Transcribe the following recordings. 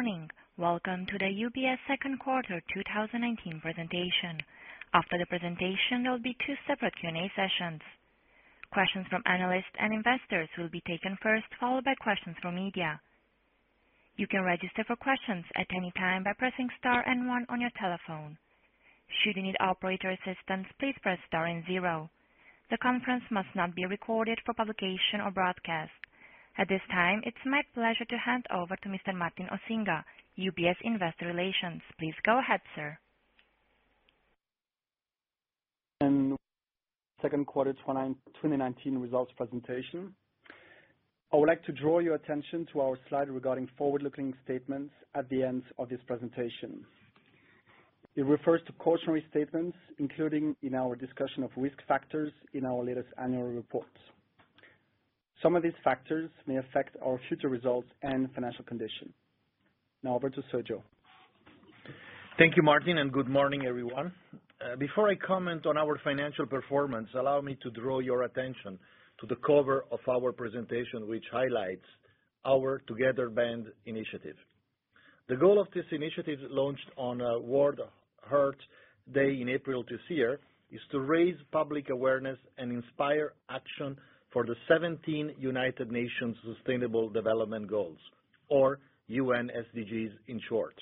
Morning. Welcome to the UBS second quarter 2019 presentation. After the presentation, there will be two separate Q&A sessions. Questions from analysts and investors will be taken first, followed by questions from media. You can register for questions at any time by pressing star and one on your telephone. Should you need operator assistance, please press star and zero. The conference must not be recorded for publication or broadcast. At this time, it's my pleasure to hand over to Mr. Martin Osinga, UBS Investor Relations. Please go ahead, sir. Second quarter 2019 results presentation. I would like to draw your attention to our slide regarding forward-looking statements at the end of this presentation. It refers to cautionary statements, including in our discussion of risk factors in our latest annual reports. Some of these factors may affect our future results and financial condition. Now over to Sergio. Thank you, Martin, and good morning, everyone. Before I comment on our financial performance, allow me to draw your attention to the cover of our presentation, which highlights our #TOGETHERBAND initiative. The goal of this initiative, launched on World Earth Day in April this year, is to raise public awareness and inspire action for the 17 United Nations Sustainable Development Goals, or UN SDGs in short.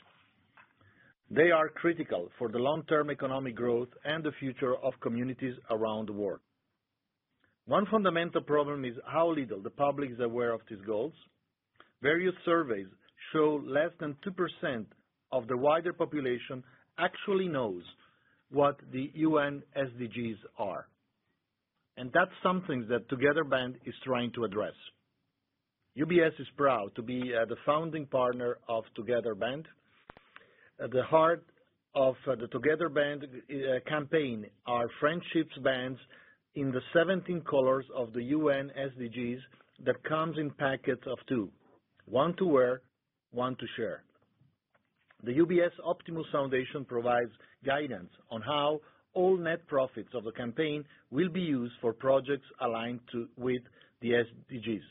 They are critical for the long-term economic growth and the future of communities around the world. One fundamental problem is how little the public is aware of these goals. Various surveys show less than 2% of the wider population actually knows what the UN SDGs are. That's something that #TOGETHERBAND is trying to address. UBS is proud to be the founding partner of #TOGETHERBAND. At the heart of the #TOGETHERBAND campaign are friendships bands in the 17 colors of the UN SDGs that comes in packets of two, one to wear, one to share. The UBS Optimus Foundation provides guidance on how all net profits of the campaign will be used for projects aligned with the SDGs.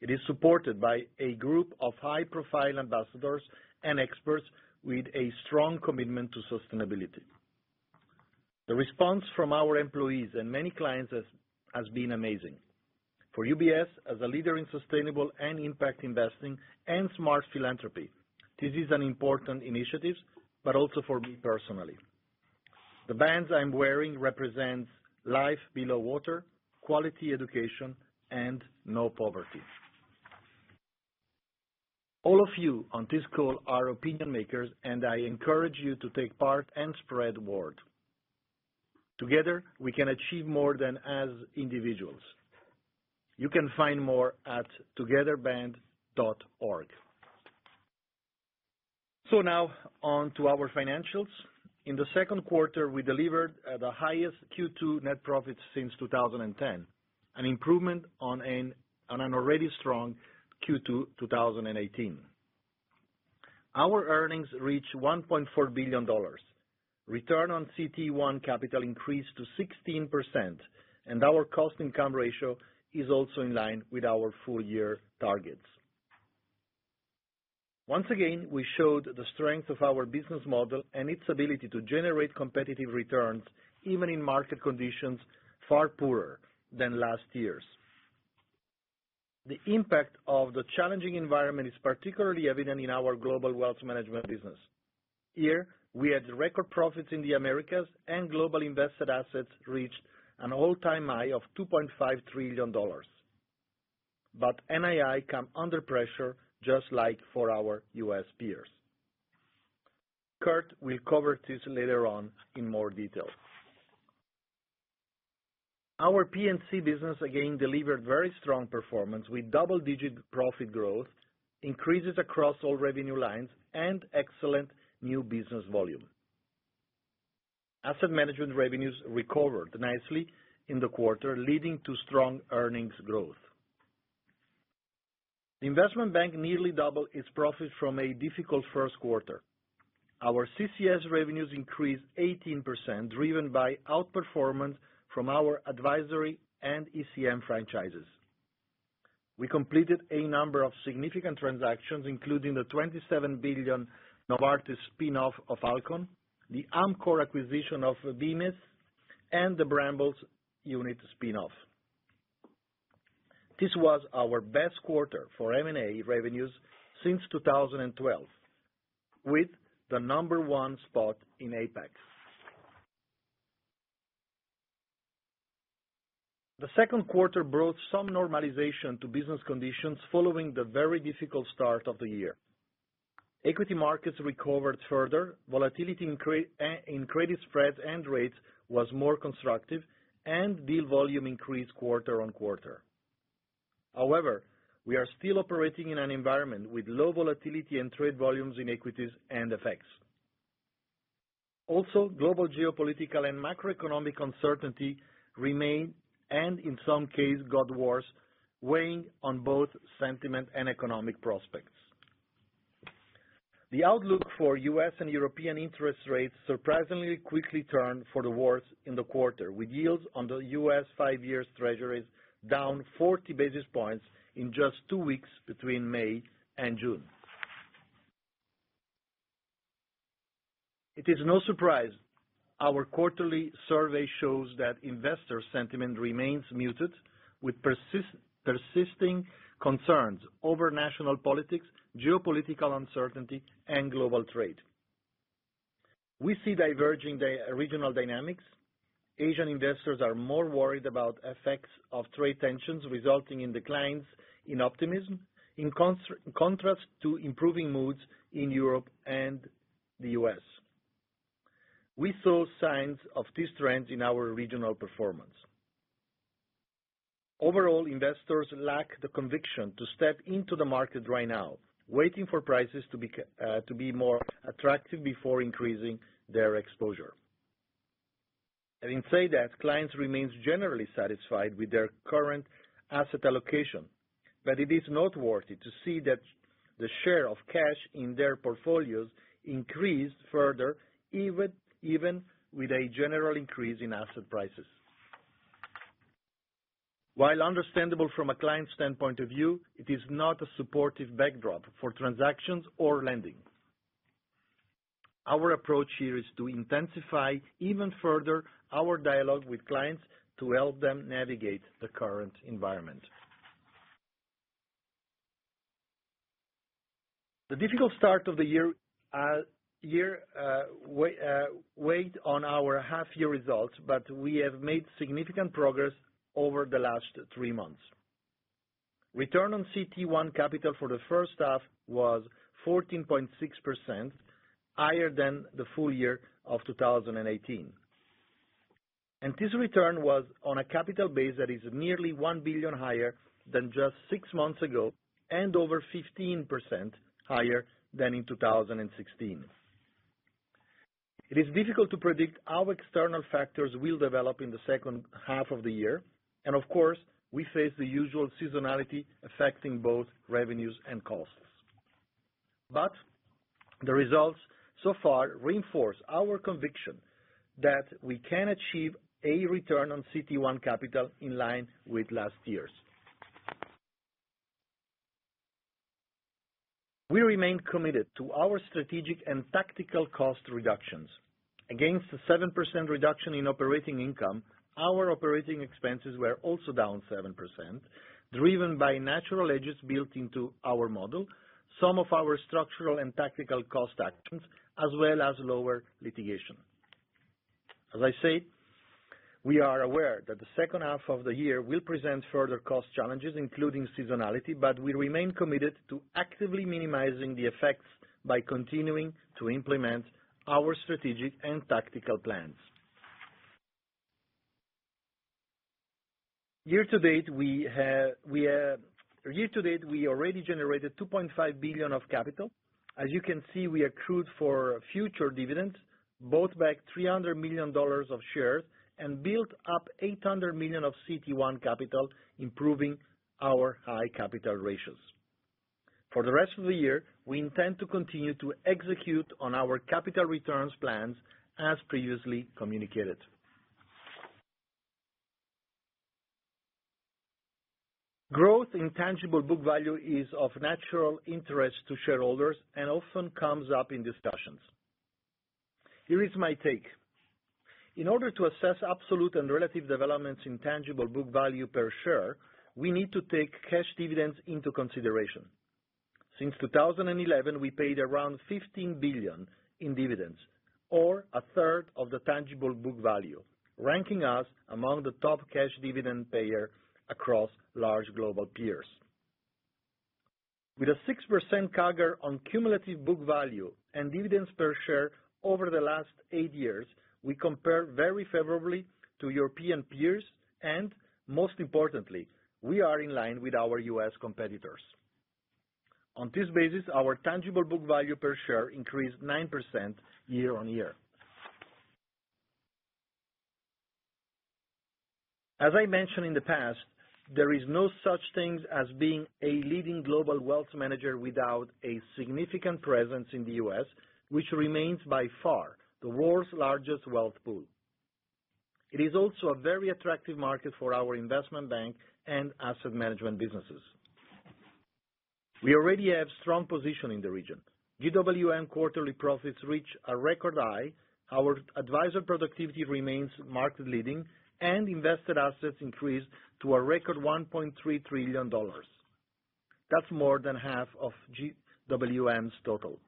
It is supported by a group of high-profile ambassadors and experts with a strong commitment to sustainability. The response from our employees and many clients has been amazing. For UBS, as a leader in sustainable and impact investing and smart philanthropy, this is an important initiative, but also for me personally. The bands I'm wearing represent life below water, quality education, and no poverty. All of you on this call are opinion makers, and I encourage you to take part and spread the word. Together, we can achieve more than as individuals. You can find more at togetherband.org. Now on to our financials. In the second quarter, we delivered the highest Q2 net profits since 2010, an improvement on an already strong Q2 2018. Our earnings reached $1.4 billion. Return on CET1 capital increased to 16%, and our cost income ratio is also in line with our full-year targets. Once again, we showed the strength of our business model and its ability to generate competitive returns, even in market conditions far poorer than last year's. The impact of the challenging environment is particularly evident in our Global Wealth Management business. Here, we had record profits in the Americas, and global invested assets reached an all-time high of $2.5 trillion. NII come under pressure just like for our U.S. peers. Kirt will cover this later on in more detail. Our P&C business again delivered very strong performance with double-digit profit growth, increases across all revenue lines, and excellent new business volume. Asset management revenues recovered nicely in the quarter, leading to strong earnings growth. The Investment Bank nearly doubled its profit from a difficult first quarter. Our CCS revenues increased 18%, driven by outperformance from our Advisory and ECM franchises. We completed a number of significant transactions, including the $27 billion Novartis spin-off of Alcon, the Amcor acquisition of Bemis, and the Brambles unit spin-off. This was our best quarter for M&A revenues since 2012, with the number one spot in APAC. The second quarter brought some normalization to business conditions following the very difficult start of the year. Equity markets recovered further, volatility in credit spreads and rates was more constructive, and deal volume increased quarter-on-quarter. However, we are still operating in an environment with low volatility and trade volumes in equities and FX. Global geopolitical and macroeconomic uncertainty remain, and in some cases, got worse, weighing on both sentiment and economic prospects. The outlook for U.S. and European interest rates surprisingly quickly turned for the worse in the quarter, with yields on the U.S. five-year Treasuries down 40 basis points in just two weeks between May and June. It is no surprise our quarterly survey shows that investor sentiment remains muted, with persisting concerns over national politics, geopolitical uncertainty, and global trade. We see diverging regional dynamics. Asian investors are more worried about effects of trade tensions, resulting in declines in optimism, in contrast to improving moods in Europe and the U.S. We saw signs of these trends in our regional performance. Overall, investors lack the conviction to step into the market right now, waiting for prices to be more attractive before increasing their exposure. Having said that, clients remain generally satisfied with their current asset allocation. It is noteworthy to see that the share of cash in their portfolios increased further, even with a general increase in asset prices. While understandable from a client standpoint of view, it is not a supportive backdrop for transactions or lending. Our approach here is to intensify even further our dialogue with clients to help them navigate the current environment. The difficult start of the year weighed on our half year results, but we have made significant progress over the last three months. Return on CET1 capital for the first half was 14.6%, higher than the full year of 2018. This return was on a capital base that is nearly $1 billion higher than just six months ago, and over 15% higher than in 2016. Of course, we face the usual seasonality affecting both revenues and costs. The results so far reinforce our conviction that we can achieve a return on CET1 capital in line with last year's. We remain committed to our strategic and tactical cost reductions. Against the 7% reduction in operating income, our operating expenses were also down 7%, driven by natural hedges built into our model, some of our structural and tactical cost actions, as well as lower litigation. As I say, we are aware that the second half of the year will present further cost challenges, including seasonality, but we remain committed to actively minimizing the effects by continuing to implement our strategic and tactical plans. Year to date, we already generated $2.5 billion of capital. As you can see, we accrued for future dividends, bought back $300 million of shares, and built up $800 million of CET1 capital, improving our high capital ratios. For the rest of the year, we intend to continue to execute on our capital returns plans as previously communicated. Growth in tangible book value is of natural interest to shareholders and often comes up in discussions. Here is my take. In order to assess absolute and relative developments in tangible book value per share, we need to take cash dividends into consideration. Since 2011, we paid around $15 billion in dividends or a third of the tangible book value, ranking us among the top cash dividend payer across large global peers. Most importantly, with a 6% CAGR on cumulative book value and dividends per share over the last eight years, we compare very favorably to European peers, and we are in line with our U.S. competitors. On this basis, our tangible book value per share increased 9% year-on-year. As I mentioned in the past, there is no such thing as being a leading global wealth manager without a significant presence in the U.S., which remains by far the world's largest wealth pool. It is also a very attractive market for our Investment Bank and Asset Management businesses. We already have strong position in the region. GWM quarterly profits reach a record high. Our advisor productivity remains market leading. Invested assets increased to a record $1.3 trillion. That's more than half of GWM's total.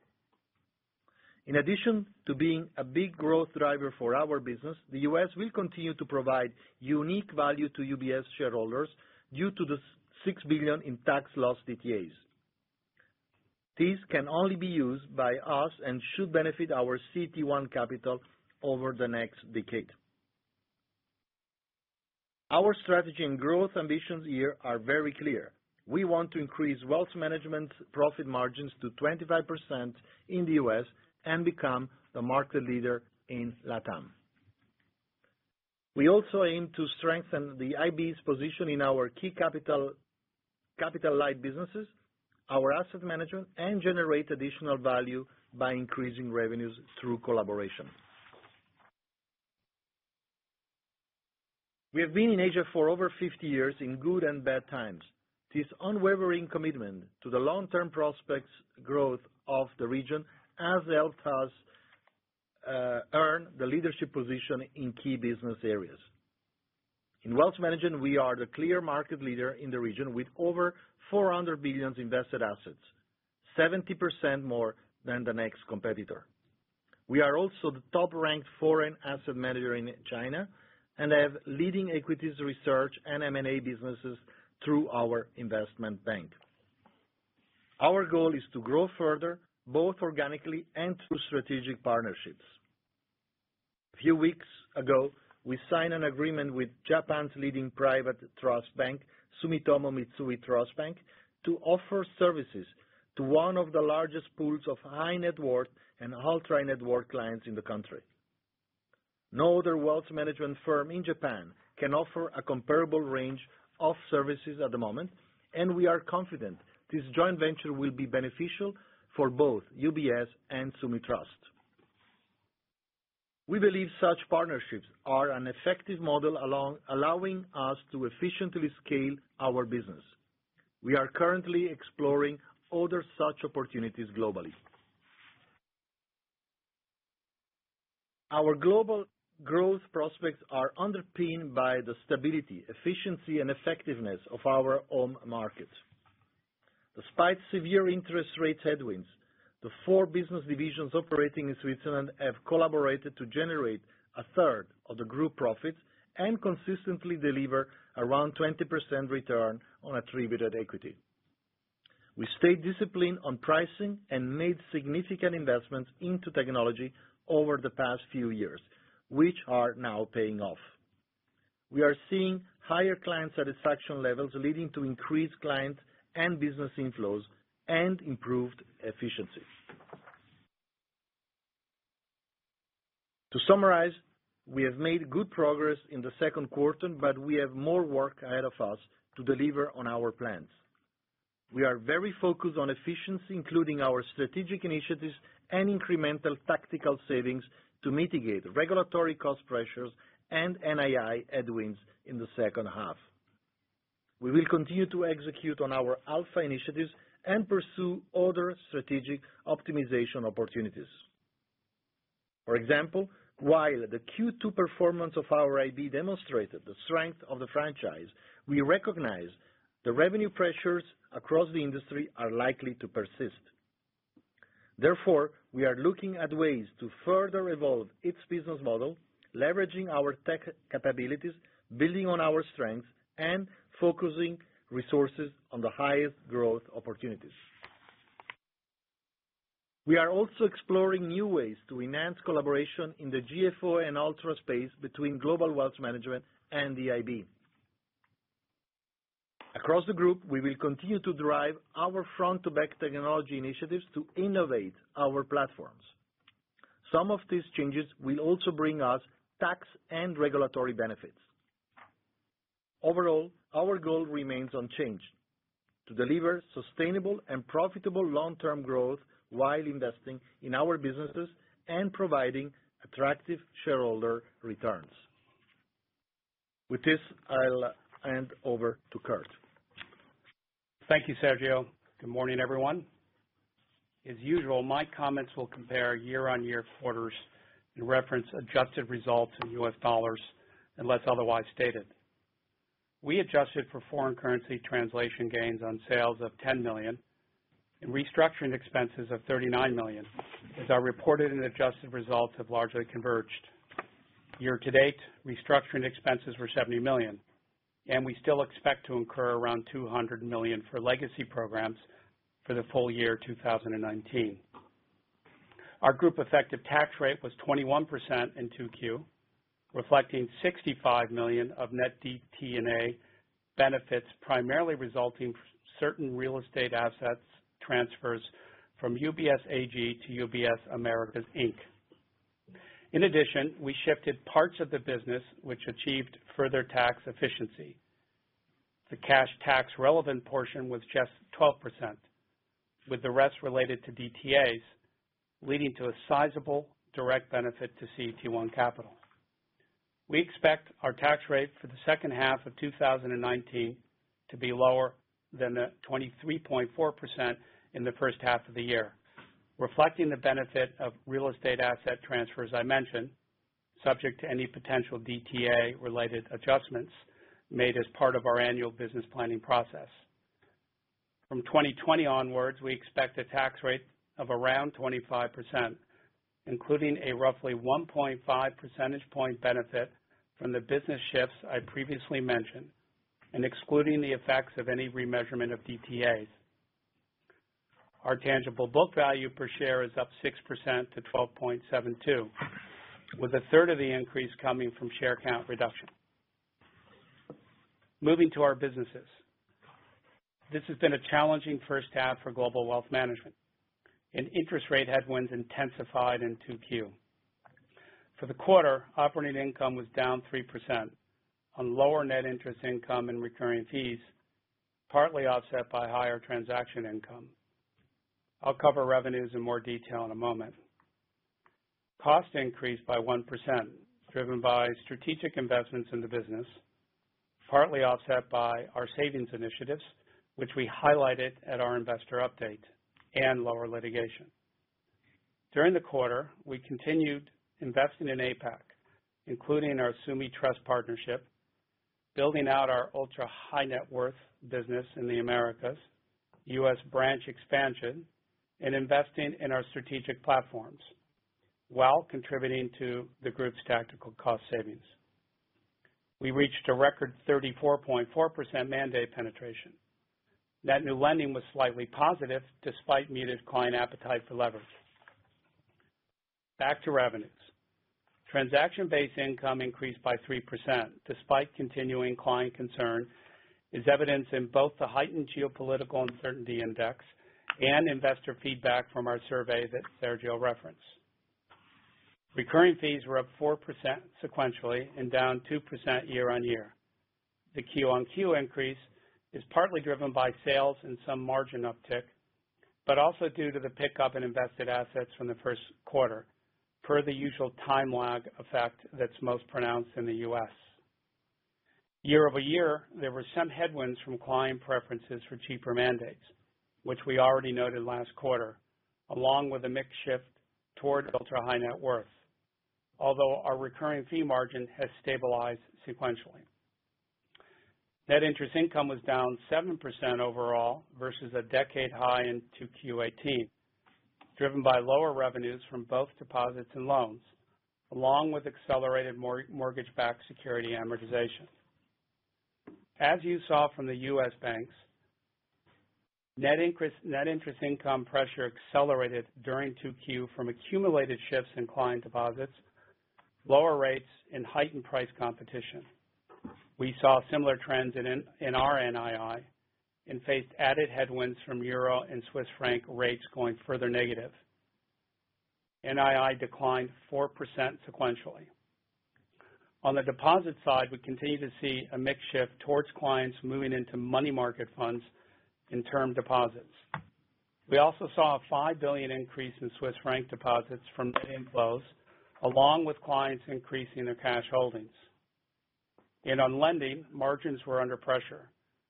In addition to being a big growth driver for our business, the U.S. will continue to provide unique value to UBS shareholders due to the $6 billion in tax loss DTAs. These can only be used by us and should benefit our CET1 capital over the next decade. Our strategy and growth ambitions here are very clear. We want to increase Wealth Management profit margins to 25% in the U.S. and become the market leader in LATAM. We also aim to strengthen the IBs position in our key capital-light businesses, our asset management, and generate additional value by increasing revenues through collaboration. We have been in Asia for over 50 years, in good and bad times. This unwavering commitment to the long-term prospects growth of the region has helped us earn the leadership position in key business areas. In Wealth Management, we are the clear market leader in the region with over $400 billion invested assets, 70% more than the next competitor. We are also the top-ranked foreign asset manager in China and have leading equities research and M&A businesses through our Investment Bank. Our goal is to grow further, both organically and through strategic partnerships. A few weeks ago, we signed an agreement with Japan's leading private trust bank, Sumitomo Mitsui Trust Bank, to offer services to one of the largest pools of high net worth and ultra net worth clients in the country. No other wealth management firm in Japan can offer a comparable range of services at the moment, and we are confident this joint venture will be beneficial for both UBS and Sumi Trust. We believe such partnerships are an effective model, allowing us to efficiently scale our business. We are currently exploring other such opportunities globally. Our global growth prospects are underpinned by the stability, efficiency, and effectiveness of our home market. Despite severe interest rate headwinds, the four business divisions operating in Switzerland have collaborated to generate 1/3 of the group profits and consistently deliver around 20% return on attributed equity. We stayed disciplined on pricing and made significant investments into technology over the past few years, which are now paying off. We are seeing higher client satisfaction levels, leading to increased client and business inflows and improved efficiency. To summarize, we have made good progress in the second quarter, but we have more work ahead of us to deliver on our plans. We are very focused on efficiency, including our strategic initiatives and incremental tactical savings to mitigate regulatory cost pressures and NII headwinds in the second half. We will continue to execute on our alpha initiatives and pursue other strategic optimization opportunities. For example, while the Q2 performance of our IB demonstrated the strength of the franchise, we recognize the revenue pressures across the industry are likely to persist. Therefore, we are looking at ways to further evolve its business model, leveraging our tech capabilities, building on our strengths, and focusing resources on the highest growth opportunities. We are also exploring new ways to enhance collaboration in the GFO and ultra space between Global Wealth Management and the IB. Across the group, we will continue to drive our front-to-back technology initiatives to innovate our platforms. Some of these changes will also bring us tax and regulatory benefits. Overall, our goal remains unchanged: to deliver sustainable and profitable long-term growth while investing in our businesses and providing attractive shareholder returns. With this, I'll hand over to Kirt. Thank you, Sergio. Good morning, everyone. As usual, my comments will compare year-on-year quarters and reference adjusted results in U.S. dollars, unless otherwise stated. We adjusted for foreign currency translation gains on sales of $10 million and restructuring expenses of $39 million, as our reported and adjusted results have largely converged. Year-to-date, restructuring expenses were $70 million. We still expect to incur around $200 million for legacy programs for the full year 2019. Our group effective tax rate was 21% in 2Q, reflecting $65 million of net DTA benefits, primarily resulting from certain real estate assets transfers from UBS AG to UBS Americas Inc. In addition, we shifted parts of the business which achieved further tax efficiency. The cash tax relevant portion was just 12%, with the rest related to DTAs, leading to a sizable direct benefit to CET1 capital. We expect our tax rate for the second half of 2019 to be lower than the 23.4% in the first half of the year, reflecting the benefit of real estate asset transfers I mentioned, subject to any potential DTA-related adjustments made as part of our annual business planning process. From 2020 onwards, we expect a tax rate of around 25%, including a roughly 1.5 percentage point benefit from the business shifts I previously mentioned and excluding the effects of any remeasurement of DTAs. Our tangible book value per share is up 6% to 12.72%, with a third of the increase coming from share count reduction. Moving to our businesses. This has been a challenging first half for Global Wealth Management, and interest rate headwinds intensified in 2Q. For the quarter, operating income was down 3% on lower net interest income and recurring fees, partly offset by higher transaction income. I'll cover revenues in more detail in a moment. Costs increased by 1%, driven by strategic investments in the business, partly offset by our savings initiatives, which we highlighted at our investor update, and lower litigation. During the quarter, we continued investing in APAC, including our Sumi Trust partnership, building out our ultra-high net worth business in the Americas, U.S. branch expansion, and investing in our strategic platforms while contributing to the group's tactical cost savings. We reached a record 34.4% mandate penetration. Net new lending was slightly positive despite muted client appetite for leverage. Back to revenues. Transaction-based income increased by 3%, despite continuing client concern is evidenced in both the heightened geopolitical uncertainty index and investor feedback from our survey that Sergio referenced. Recurring fees were up 4% sequentially and down 2% year-on-year. The QonQ increase is partly driven by sales and some margin uptick, but also due to the pickup in invested assets from the first quarter, per the usual time lag effect that's most pronounced in the U.S. Year-over-year, there were some headwinds from client preferences for cheaper mandates, which we already noted last quarter, along with a mix shift toward ultra-high net worth. Although our recurring fee margin has stabilized sequentially. Net interest income was down 7% overall versus a decade high in 2Q 2018, driven by lower revenues from both deposits and loans, along with accelerated mortgage-backed security amortization. As you saw from the U.S. banks, net interest income pressure accelerated during 2Q from accumulated shifts in client deposits, lower rates, and heightened price competition. We saw similar trends in our NII and faced added headwinds from euro and Swiss franc rates going further negative. NII declined 4% sequentially. On the deposit side, we continue to see a mix shift towards clients moving into money market funds and term deposits. We also saw a $5 billion increase in Swiss franc deposits from net inflows, along with clients increasing their cash holdings. On lending, margins were under pressure,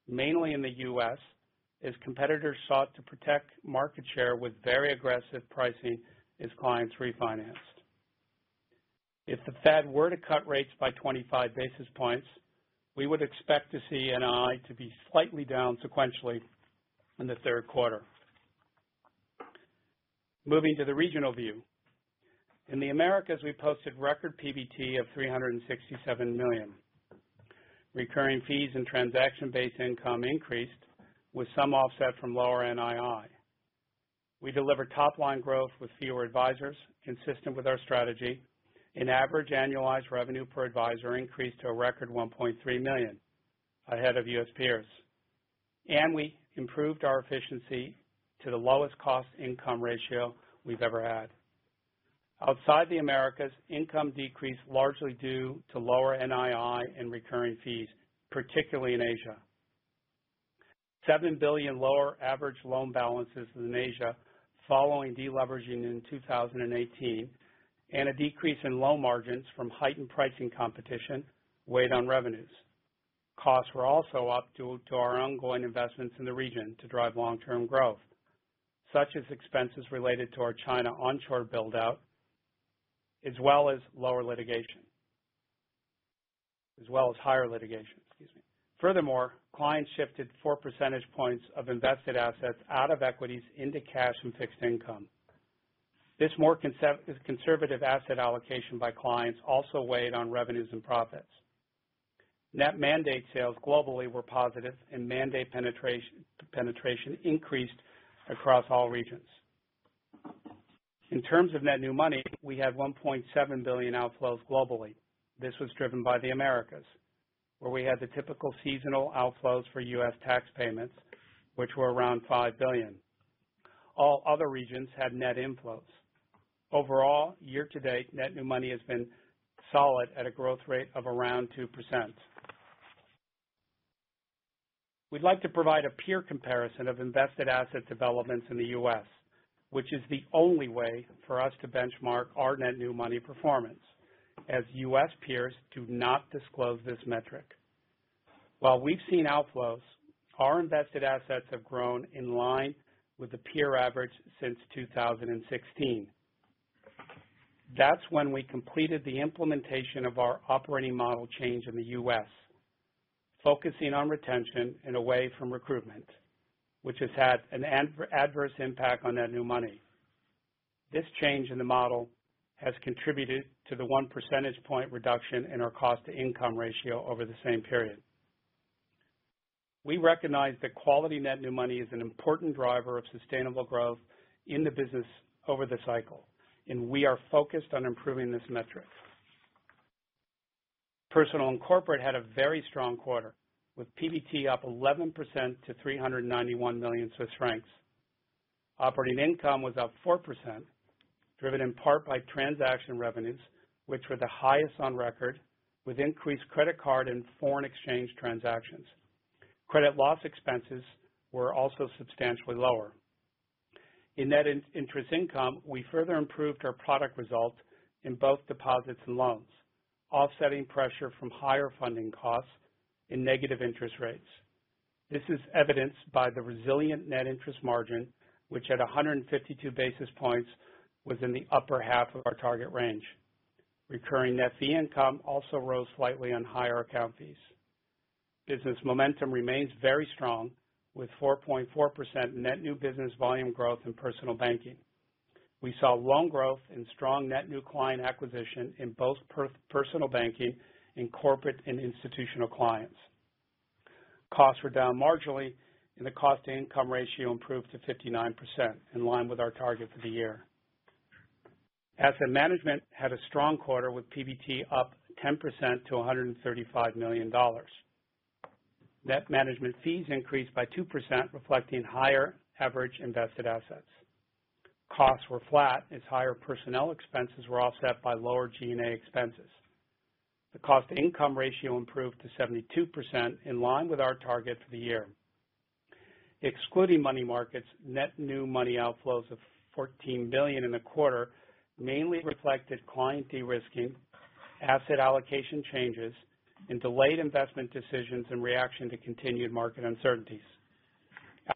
mainly in the U.S., as competitors sought to protect market share with very aggressive pricing as clients refinanced. If the Fed were to cut rates by 25 basis points, we would expect to see NII to be slightly down sequentially in the third quarter. Moving to the regional view. In the Americas, we posted record PBT of $367 million. Recurring fees and transaction-based income increased, with some offset from lower NII. We delivered top-line growth with fewer advisors, consistent with our strategy, and average annualized revenue per advisor increased to a record $1.3 million, ahead of U.S. peers. We improved our efficiency to the lowest cost-income ratio we've ever had. Outside the Americas, income decreased largely due to lower NII and recurring fees, particularly in Asia. $7 billion lower average loan balances in Asia following deleveraging in 2018, and a decrease in loan margins from heightened pricing competition weighed on revenues. Costs were also up due to our ongoing investments in the region to drive long-term growth, such as expenses related to our China onshore build-out, as well as lower litigation. As well as higher litigation, excuse me. Furthermore, clients shifted 4 percentage points of invested assets out of equities into cash and fixed income. This more conservative asset allocation by clients also weighed on revenues and profits. Net mandate sales globally were positive, and mandate penetration increased across all regions. In terms of net new money, we had $1.7 billion outflows globally. This was driven by the Americas, where we had the typical seasonal outflows for U.S. tax payments, which were around $5 billion. All other regions had net inflows. Overall, year-to-date, net new money has been solid at a growth rate of around 2%. We'd like to provide a peer comparison of invested asset developments in the U.S., which is the only way for us to benchmark our net new money performance, as U.S. peers do not disclose this metric. While we've seen outflows, our invested assets have grown in line with the peer average since 2016. That's when we completed the implementation of our operating model change in the U.S., focusing on retention and away from recruitment, which has had an adverse impact on net new money. This change in the model has contributed to the 1 percentage point reduction in our cost-income ratio over the same period. We recognize that quality net new money is an important driver of sustainable growth in the business over the cycle, and we are focused on improving this metric. Personal and Corporate had a very strong quarter, with PBT up 11% to 391 million Swiss francs. Operating income was up 4%, driven in part by transaction revenues, which were the highest on record, with increased credit card and foreign exchange transactions. Credit loss expenses were also substantially lower. In net interest income, we further improved our product result in both deposits and loans, offsetting pressure from higher funding costs in negative interest rates. This is evidenced by the resilient net interest margin, which at 152 basis points, was in the upper half of our target range. Recurring net fee income also rose slightly on higher account fees. Business momentum remains very strong, with 4.4% net new business volume growth in Personal Banking. We saw loan growth and strong net new client acquisition in both Personal Banking, and Corporate and Institutional Clients. Costs were down marginally, and the cost-to-income ratio improved to 59%, in line with our target for the year. Asset Management had a strong quarter, with PBT up 10% to $135 million. Net management fees increased by 2%, reflecting higher average invested assets. Costs were flat as higher personnel expenses were offset by lower G&A expenses. The cost-to-income ratio improved to 72%, in line with our target for the year. Excluding money markets, net new money outflows of $14 billion in the quarter mainly reflected client de-risking, asset allocation changes, and delayed investment decisions in reaction to continued market uncertainties.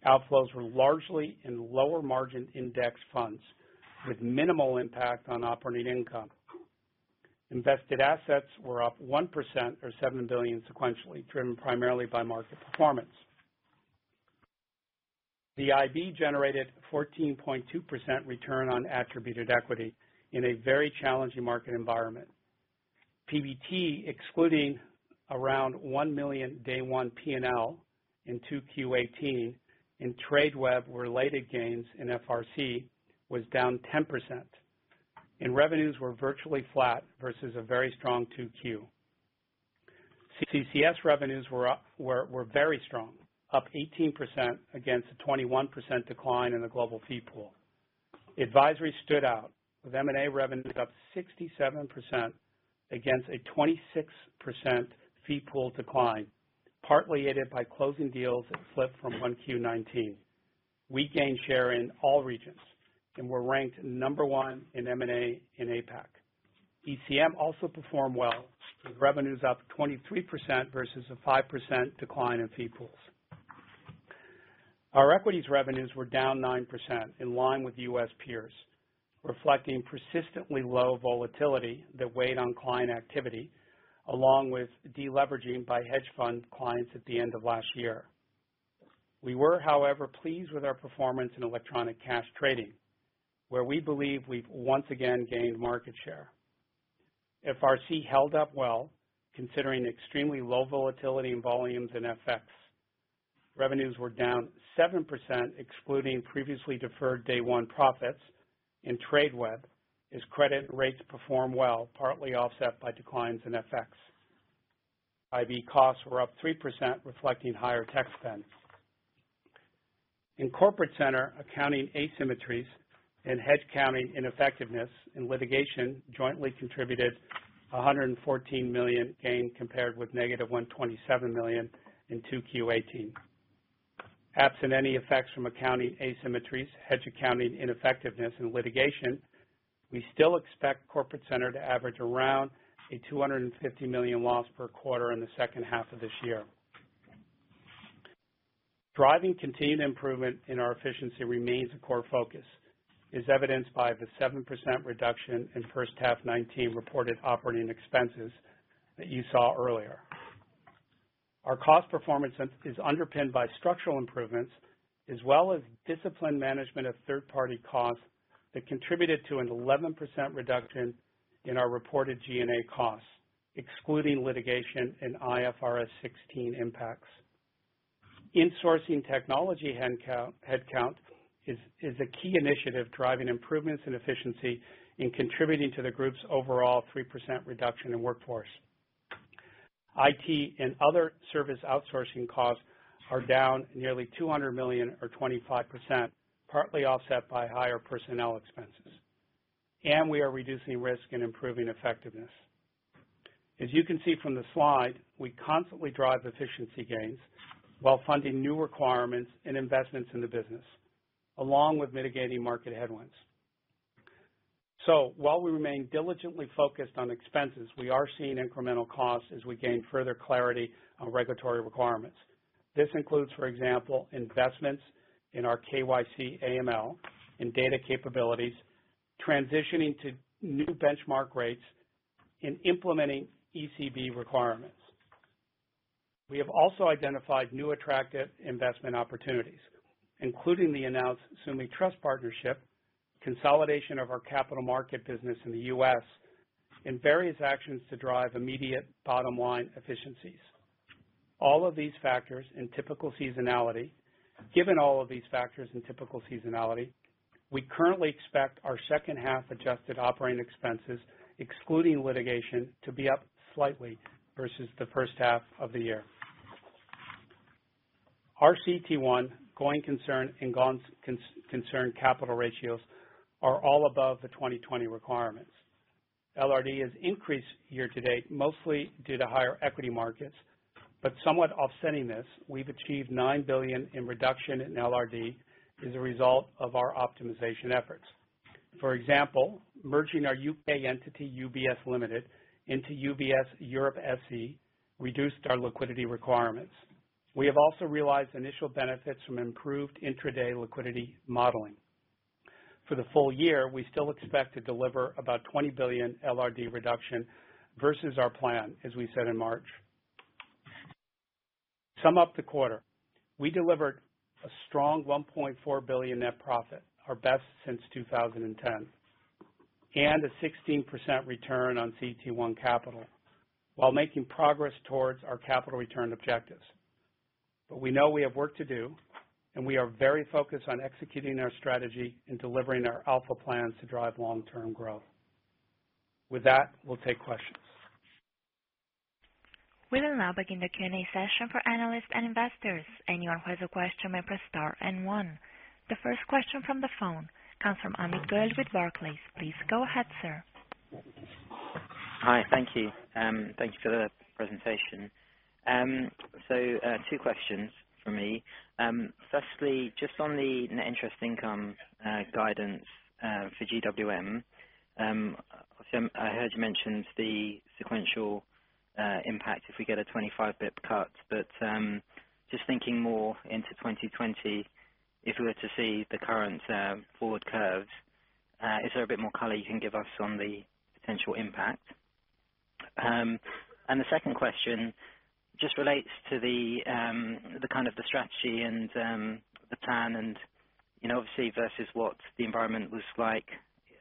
Outflows were largely in lower-margin index funds, with minimal impact on operating income. Invested assets were up 1%, or $7 billion sequentially, driven primarily by market performance. The IB generated a 14.2% return on attributed equity in a very challenging market environment. PBT, excluding around $1 million day one P&L in 2Q 2018, and Tradeweb-related gains in FRC was down 10%, and revenues were virtually flat versus a very strong 2Q. CCS revenues were very strong, up 18% against a 21% decline in the global fee pool. Advisory stood out, with M&A revenues up 67% against a 26% fee pool decline, partly aided by closing deals that slipped from 1Q 2019. We gained share in all regions and were ranked number one in M&A in APAC. ECM also performed well, with revenues up 23% versus a 5% decline in fee pools. Our Equities revenues were down 9%, in line with U.S. peers, reflecting persistently low volatility that weighed on client activity, along with deleveraging by hedge fund clients at the end of last year. We were, however, pleased with our performance in electronic cash trading, where we believe we've once again gained market share. FRC held up well, considering extremely low volatility in volumes and FX. Revenues were down 7%, excluding previously deferred day one profits in Tradeweb, as credit, rates performed well, partly offset by declines in FX. IB costs were up 3%, reflecting higher tech spend. In Corporate Center, accounting asymmetries and hedge accounting ineffectiveness, and litigation jointly contributed $114 million gain, compared with -$127 million in 2Q 2018. Absent any effects from accounting asymmetries, hedge accounting ineffectiveness, and litigation, we still expect Corporate Center to average around a $250 million loss per quarter in the second half of this year. Driving continued improvement in our efficiency remains a core focus, as evidenced by the 7% reduction in first half 2019 reported operating expenses that you saw earlier. Our cost performance is underpinned by structural improvements as well as disciplined management of third-party costs that contributed to an 11% reduction in our reported G&A costs, excluding litigation and IFRS 16 impacts. Insourcing technology headcount is a key initiative, driving improvements in efficiency and contributing to the group's overall 3% reduction in workforce. IT and other service outsourcing costs are down nearly $200 million, or 25%, partly offset by higher personnel expenses. We are reducing risk and improving effectiveness. As you can see from the slide, we constantly drive efficiency gains while funding new requirements and investments in the business, along with mitigating market headwinds. While we remain diligently focused on expenses, we are seeing incremental costs as we gain further clarity on regulatory requirements. This includes, for example, investments in our KYC, AML, and data capabilities, transitioning to new benchmark rates, and implementing ECB requirements. We have also identified new attractive investment opportunities, including the announced Sumi Trust partnership, consolidation of our capital market business in the U.S. in various actions to drive immediate bottom-line efficiencies. Given all of these factors and typical seasonality, we currently expect our second half adjusted operating expenses, excluding litigation, to be up slightly versus the first half of the year. Our CET1 going concern and gone concern capital ratios are all above the 2020 requirements. LRD has increased year-to-date, mostly due to higher equity markets, but somewhat offsetting this, we've achieved $9 billion in reduction in LRD as a result of our optimization efforts. For example, merging our U.K. entity, UBS Limited, into UBS Europe SE, reduced our liquidity requirements. We have also realized initial benefits from improved intraday liquidity modeling. For the full year, we still expect to deliver about $20 billion LRD reduction versus our plan, as we said in March. Sum up the quarter, we delivered a strong $1.4 billion net profit, our best since 2010, and a 16% return on CET1 capital while making progress towards our capital return objectives. We know we have work to do, and we are very focused on executing our strategy and delivering our alpha plans to drive long-term growth. With that, we'll take questions. We will now begin the Q&A session for analysts and investors. Anyone who has a question may press star and one. The first question from the phone comes from Amit Goel with Barclays. Please go ahead, sir. Hi. Thank you. Thank you for the presentation. Two questions from me. Firstly, just on the net interest income guidance for GWM. I heard you mention the sequential impact if we get a 25 basis points cut, but just thinking more into 2020, if we were to see the current forward curves, is there a bit more color you can give us on the potential impact? The second question just relates to the strategy and the plan and obviously versus what the environment was like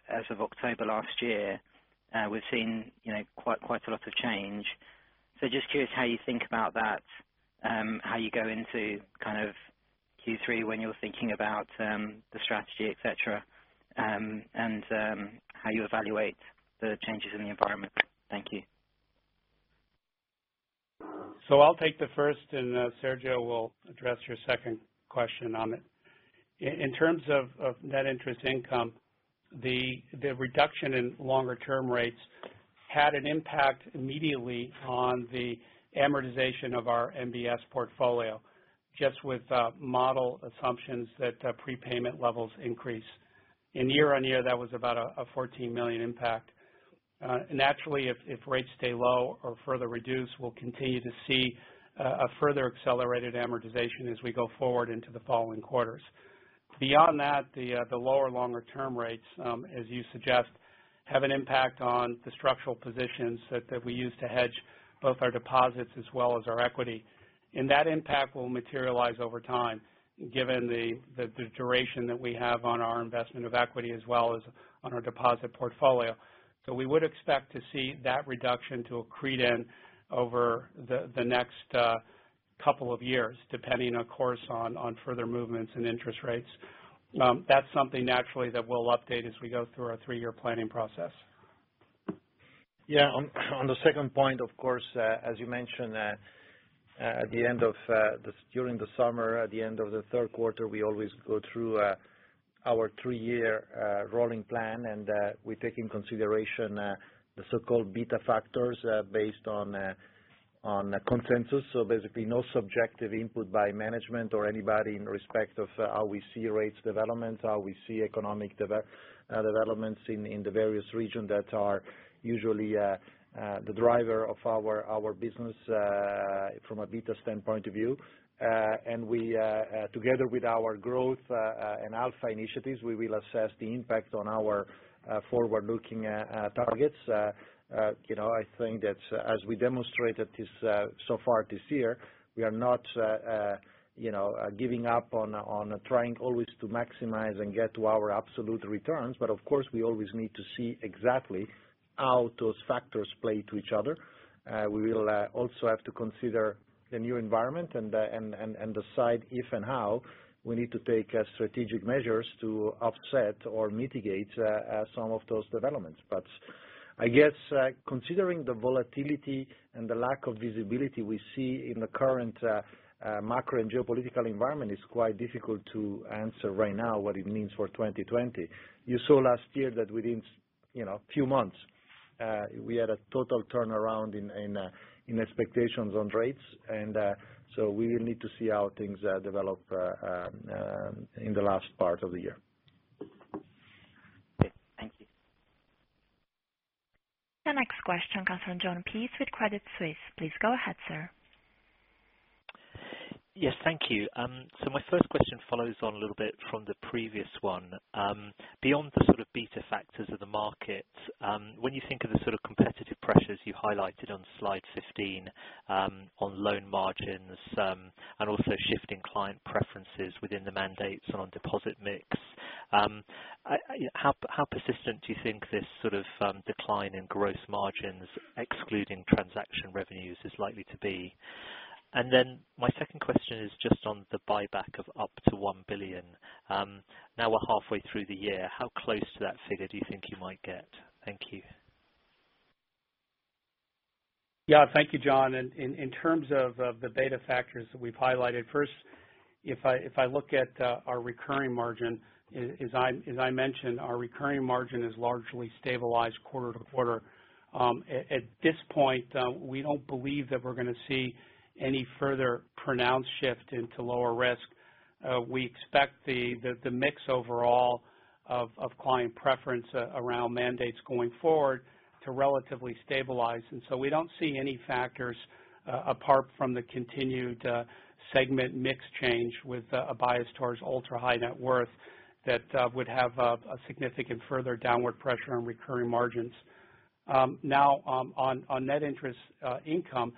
as of October last year. We've seen quite a lot of change. Just curious how you think about that, how you go into Q3 when you're thinking about the strategy, et cetera, and how you evaluate the changes in the environment. Thank you. I'll take the first, and Sergio will address your second question, Amit. In terms of net interest income, the reduction in longer-term rates had an impact immediately on the amortization of our MBS portfolio, just with model assumptions that prepayment levels increase. Year-on-year, that was about a $14 million impact. Naturally, if rates stay low or further reduce, we'll continue to see a further accelerated amortization as we go forward into the following quarters. Beyond that, the lower longer-term rates, as you suggest, have an impact on the structural positions that we use to hedge both our deposits as well as our equity. That impact will materialize over time, given the duration that we have on our investment of equity as well as on our deposit portfolio. We would expect to see that reduction to accrete in over the next couple of years, depending, of course, on further movements in interest rates. That's something naturally that we'll update as we go through our three-year planning process. Yeah. On the second point, of course, as you mentioned, during the summer, at the end of the third quarter, we always go through our three-year rolling plan, and we take into consideration the so-called beta factors based on consensus. Basically, no subjective input by management or anybody in respect of how we see rates developments, how we see economic developments in the various regions that are usually the driver of our business from a beta standpoint of view. Together with our growth and alpha initiatives, we will assess the impact on our forward-looking targets. I think that as we demonstrated so far this year, we are not giving up on trying always to maximize and get to our absolute returns. Of course, we always need to see exactly how those factors play to each other. We will also have to consider the new environment and decide if and how we need to take strategic measures to offset or mitigate some of those developments. I guess considering the volatility and the lack of visibility we see in the current macro and geopolitical environment, it's quite difficult to answer right now what it means for 2020. You saw last year that within few months, we had a total turnaround in expectations on rates, we will need to see how things develop in the last part of the year. Okay. Thank you. The next question comes from Jon Peace with Credit Suisse. Please go ahead, sir. Yes. Thank you. My first question follows on a little bit from the previous one. Beyond the sort of beta factors of the market, when you think of the sort of competitive pressures you highlighted on slide 15 on loan margins, and also shifting client preferences within the mandates on deposit mix, how persistent do you think this decline in gross margins, excluding transaction revenues, is likely to be? My second question is just on the buyback of up to $1 billion. Now we're halfway through the year, how close to that figure do you think you might get? Thank you. Thank you, Jon. In terms of the beta factors that we've highlighted, first, if I look at our recurring margin, as I mentioned, our recurring margin is largely stabilized quarter to quarter. At this point, we don't believe that we're going to see any further pronounced shift into lower risk. We expect the mix overall of client preference around mandates going forward to relatively stabilize. We don't see any factors apart from the continued segment mix change with a bias towards ultra-high net worth that would have a significant further downward pressure on recurring margins. On net interest income,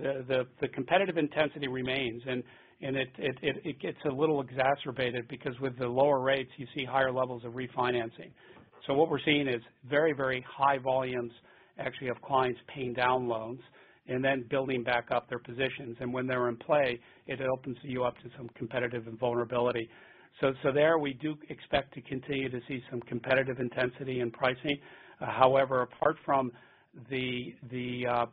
the competitive intensity remains, and it gets a little exacerbated because with the lower rates, you see higher levels of refinancing. What we're seeing is very high volumes, actually, of clients paying down loans and then building back up their positions. When they're in play, it opens you up to some competitive vulnerability. There we do expect to continue to see some competitive intensity in pricing. However, apart from the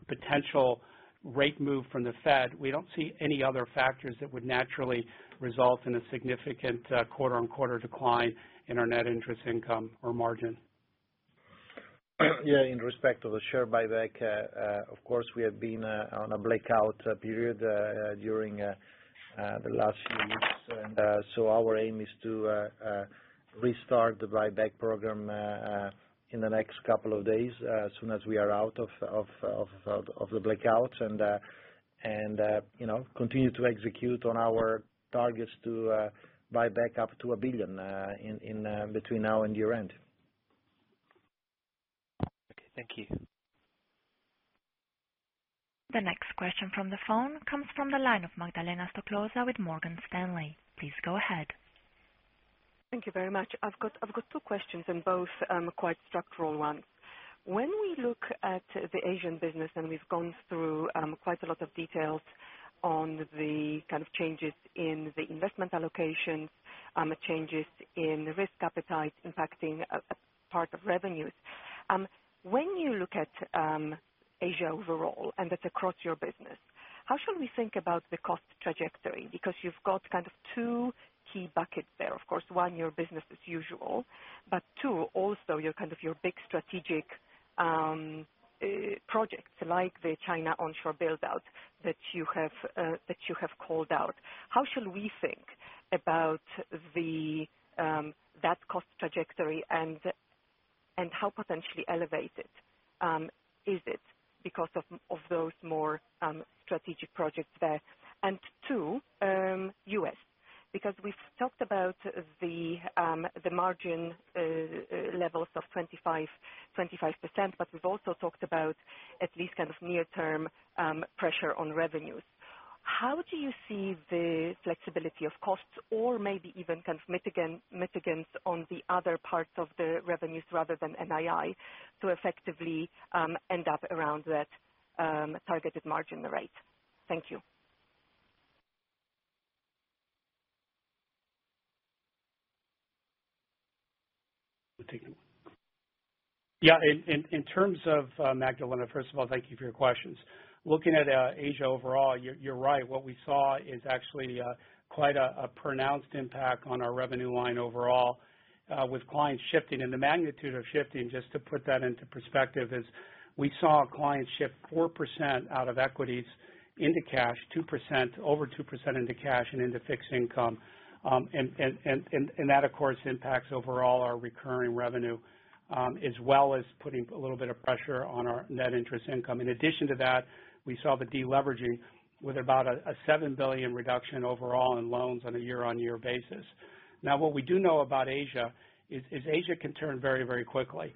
potential rate move from the Fed, we don't see any other factors that would naturally result in a significant quarter-on-quarter decline in our net interest income or margin. Yeah, in respect of the share buyback, of course, we have been on a blackout period during the last few weeks. Our aim is to restart the buyback program in the next couple of days, as soon as we are out of the blackout, and continue to execute on our targets to buy back up to $1 billion between now and year-end. Okay, thank you. The next question from the phone comes from the line of Magdalena Stoklosa with Morgan Stanley. Please go ahead. Thank you very much. I've got two questions and both are quite structural ones. When we look at the Asian business, and we've gone through quite a lot of details on the kind of changes in the investment allocations, changes in risk appetite impacting a part of revenues. When you look at Asia overall, and that's across your business, how should we think about the cost trajectory? You've got kind of two key buckets there. Of course, one, your business as usual, but two, also your big strategic projects like the China onshore build-out that you have called out. How should we think about that cost trajectory and how potentially elevated is it because of those more strategic projects there? Two, U.S., we've talked about the margin levels of 25%, but we've also talked about at least kind of near-term pressure on revenues. How do you see the flexibility of costs or maybe even kind of mitigants on the other parts of the revenues rather than NII to effectively end up around that targeted margin rate? Thank you. I'll take that one. Yeah. Magdalena, first of all, thank you for your questions. Looking at Asia overall, you're right. What we saw is actually quite a pronounced impact on our revenue line overall, with clients shifting. The magnitude of shifting, just to put that into perspective, is we saw clients shift 4% out of equities into cash, over 2% into cash and into fixed income. That, of course, impacts overall our recurring revenue, as well as putting a little bit of pressure on our net interest income. In addition to that, we saw the deleveraging with about a $7 billion reduction overall in loans on a year-on-year basis. Now, what we do know about Asia, is Asia can turn very, very quickly.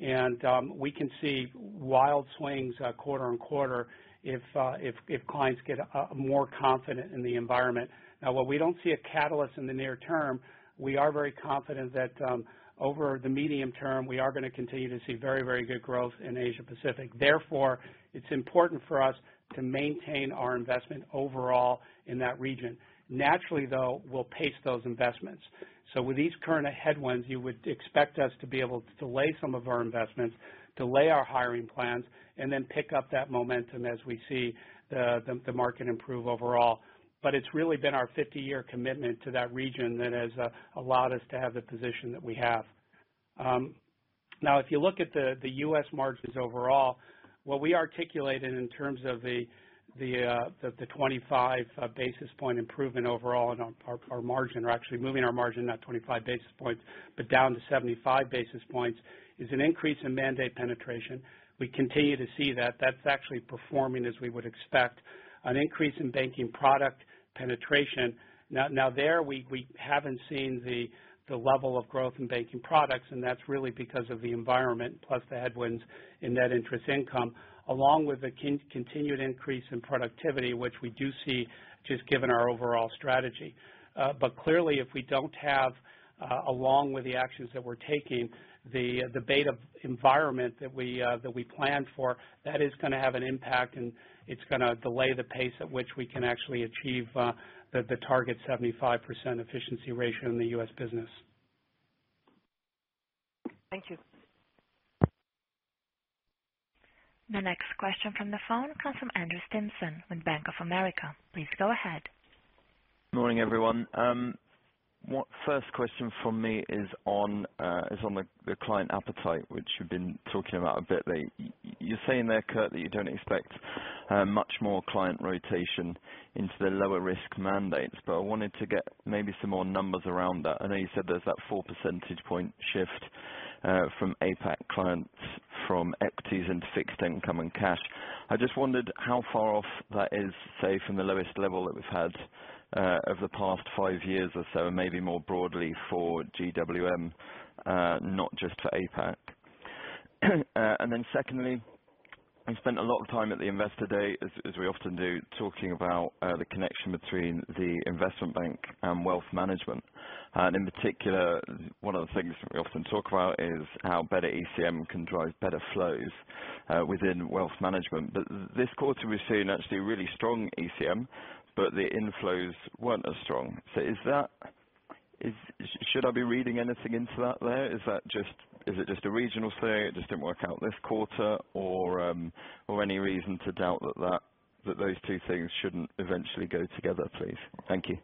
We can see wild swings quarter-on-quarter if clients get more confident in the environment. While we don't see a catalyst in the near term, we are very confident that over the medium term, we are going to continue to see very, very good growth in Asia-Pacific. It's important for us to maintain our investment overall in that region. With these current headwinds, you would expect us to be able to delay some of our investments, delay our hiring plans, and then pick up that momentum as we see the market improve overall. It's really been our 50-year commitment to that region that has allowed us to have the position that we have. Now, if you look at the U.S. margins overall, what we articulated in terms of the 25-basis point improvement overall in our margin, or actually moving our margin, not 25 basis points, but down to 75 basis points, is an increase in mandate penetration. We continue to see that. That's actually performing as we would expect. An increase in banking product penetration. Now there, we haven't seen the level of growth in banking products, and that's really because of the environment, plus the headwinds in net interest income, along with the continued increase in productivity, which we do see just given our overall strategy. Clearly, if we don't have, along with the actions that we're taking, the beta environment that we planned for, that is going to have an impact, and it's going to delay the pace at which we can actually achieve the target 75% efficiency ratio in the U.S. business. Thank you. The next question from the phone comes from Andrew Stimpson with Bank of America. Please go ahead. Morning, everyone. First question from me is on the client appetite, which you've been talking about a bit. You're saying there, Kirt, that you don't expect much more client rotation into the lower-risk mandates, but I wanted to get maybe some more numbers around that. I know you said there's that 4 percentage point shift from APAC clients from equities into fixed income and cash. I just wondered how far off that is, say, from the lowest level that we've had over the past five years or so, and maybe more broadly for GWM, not just for APAC. Secondly, we spent a lot of time at the Investor Day, as we often do, talking about the connection between the Investment Bank and Wealth Management. In particular, one of the things that we often talk about is how better ECM can drive better flows within Wealth Management. This quarter, we're seeing actually really strong ECM, but the inflows weren't as strong. Should I be reading anything into that there? Is it just a regional thing, it just didn't work out this quarter, or any reason to doubt that those two things shouldn't eventually go together, please? Thank you.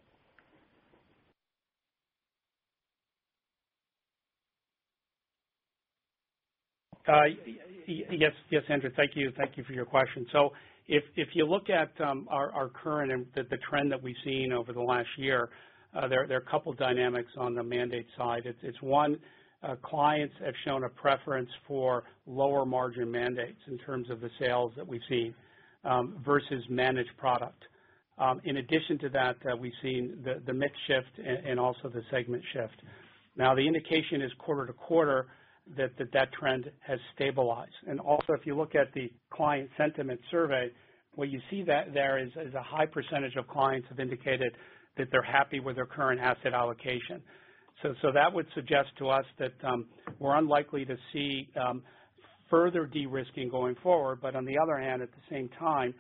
Yes, Andrew. Thank you for your question. If you look at our current and the trend that we've seen over the last year, there are a couple of dynamics on the mandate side. It's one, clients have shown a preference for lower margin mandates in terms of the sales that we've seen versus managed product. In addition to that, we've seen the mix shift and also the segment shift. The indication is quarter to quarter that that trend has stabilized. If you look at the client sentiment survey, what you see there is a high percentage of clients have indicated that they're happy with their current asset allocation. That would suggest to us that we're unlikely to see further de-risking going forward. On the other hand, at the same time,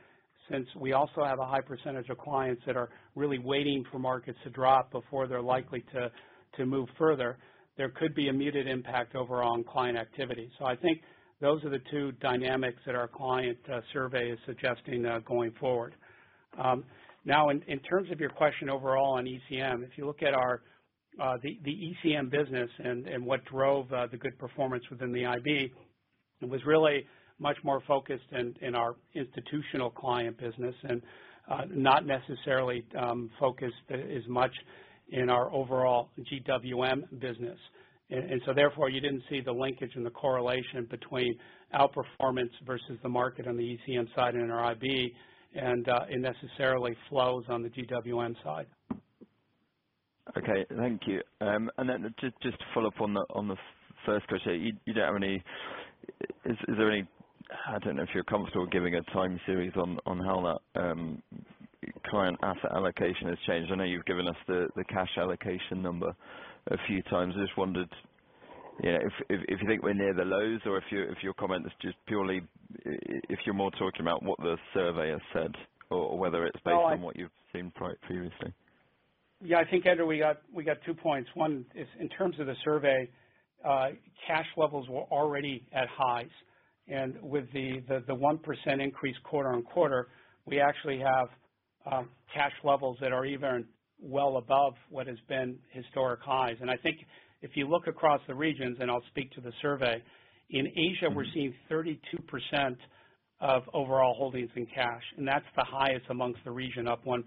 since we also have a high percentage of clients that are really waiting for markets to drop before they're likely to move further, there could be a muted impact overall on client activity. I think those are the two dynamics that our client survey is suggesting going forward. In terms of your question overall on ECM, if you look at the ECM business and what drove the good performance within the IB, it was really much more focused in our institutional client business and not necessarily focused as much in our overall GWM business. Therefore, you didn't see the linkage and the correlation between outperformance versus the market on the ECM side and in our IB, and necessarily flows on the GWM side. Okay. Thank you. Then just to follow up on the first question, I don't know if you're comfortable giving a time series on how that client asset allocation has changed. I know you've given us the cash allocation number a few times. I just wondered if you think we're near the lows or if your comment is just purely if you're more talking about what the survey has said, or whether it's based on what you've seen previously. Yeah, I think, Andrew, we got two points. One is in terms of the survey, cash levels were already at highs. With the 1% increase quarter-on-quarter, we actually have cash levels that are even well above what has been historic highs. I think if you look across the regions, and I'll speak to the survey, in Asia, we're seeing 32% of overall holdings in cash, and that's the highest amongst the region, up 1%.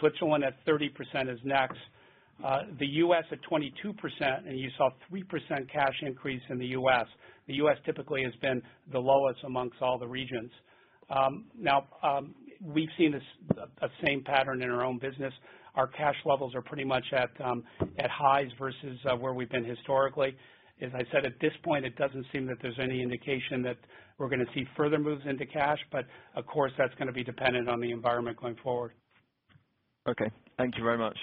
Switzerland at 30% is next. The U.S. at 22%, and you saw 3% cash increase in the U.S. The U.S. typically has been the lowest amongst all the regions. Now, we've seen the same pattern in our own business. Our cash levels are pretty much at highs versus where we've been historically. As I said, at this point, it doesn't seem that there's any indication that we're going to see further moves into cash, but of course, that's going to be dependent on the environment going forward. Okay. Thank you very much.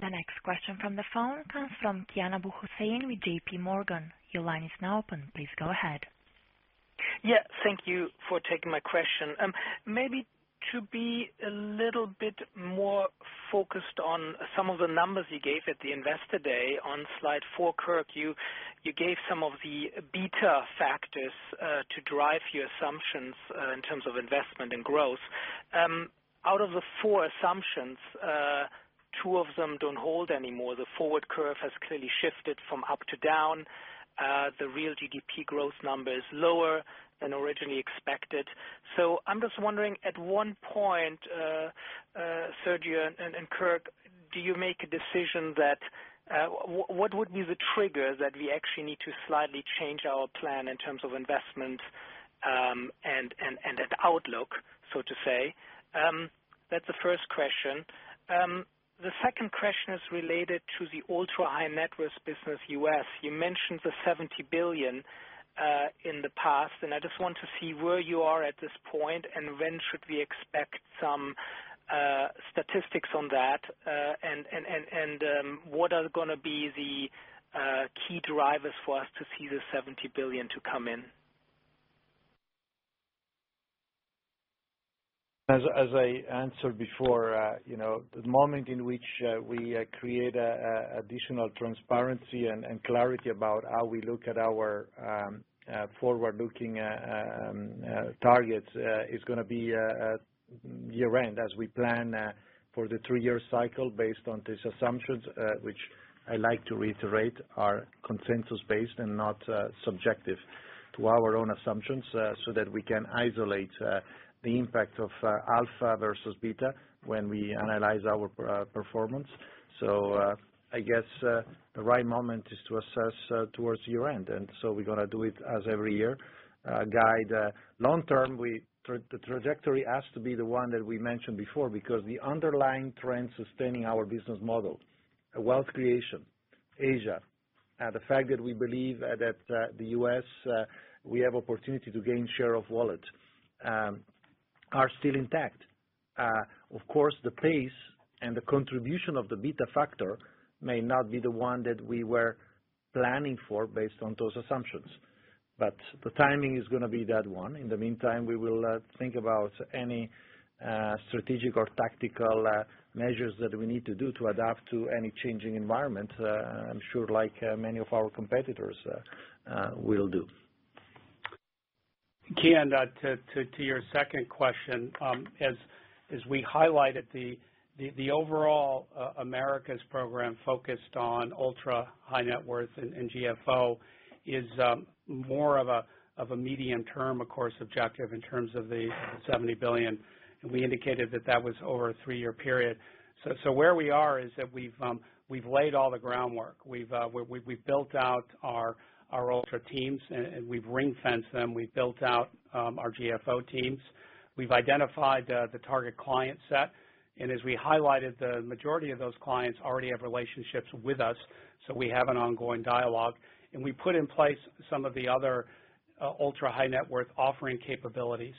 The next question from the phone comes from Kian Abouhossein with JPMorgan. Your line is now open. Please go ahead. Yeah. Thank you for taking my question. Maybe to be a little bit more focused on some of the numbers you gave at the Investor Day on slide four, Kirt, you gave some of the beta factors to drive your assumptions in terms of investment and growth. Out of the four assumptions, two of them don't hold anymore. The forward curve has clearly shifted from up to down. The real GDP growth number is lower than originally expected. I'm just wondering, at what point, Sergio and Kirt, do you make a decision what would be the trigger that we actually need to slightly change our plan in terms of investment and at outlook, so to say? That's the first question. The second question is related to the ultra-high net worth business U.S. You mentioned the $70 billion in the past. I just want to see where you are at this point. When should we expect some statistics on that? What are going to be the key drivers for us to see the $70 billion to come in? As I answered before, the moment in which we create additional transparency and clarity about how we look at our forward-looking targets is going to be year-end as we plan for the three-year cycle based on these assumptions, which I like to reiterate are consensus-based and not subjective to our own assumptions, so that we can isolate the impact of alpha versus beta when we analyze our performance. I guess the right moment is to assess towards year-end. We're going to do it as every year guide. Long term, the trajectory has to be the one that we mentioned before because the underlying trend sustaining our business model, wealth creation, Asia, the fact that we believe that the U.S., we have opportunity to gain share of wallet, are still intact. Of course, the pace and the contribution of the beta factor may not be the one that we were planning for based on those assumptions. The timing is going to be that one. In the meantime, we will think about any strategic or tactical measures that we need to do to adapt to any changing environment, I'm sure like many of our competitors will do. Kian, to your second question, as we highlighted, the overall Americas program focused on ultra-high net worth and GFO is more of a medium-term, of course, objective in terms of the $70 billion. We indicated that that was over a three-year period. Where we are is that we've laid all the groundwork. We've built out our ultra teams, and we've ring-fenced them. We've built out our GFO teams. We've identified the target client set. As we highlighted, the majority of those clients already have relationships with us, so we have an ongoing dialogue. We put in place some of the other ultra-high net worth offering capabilities.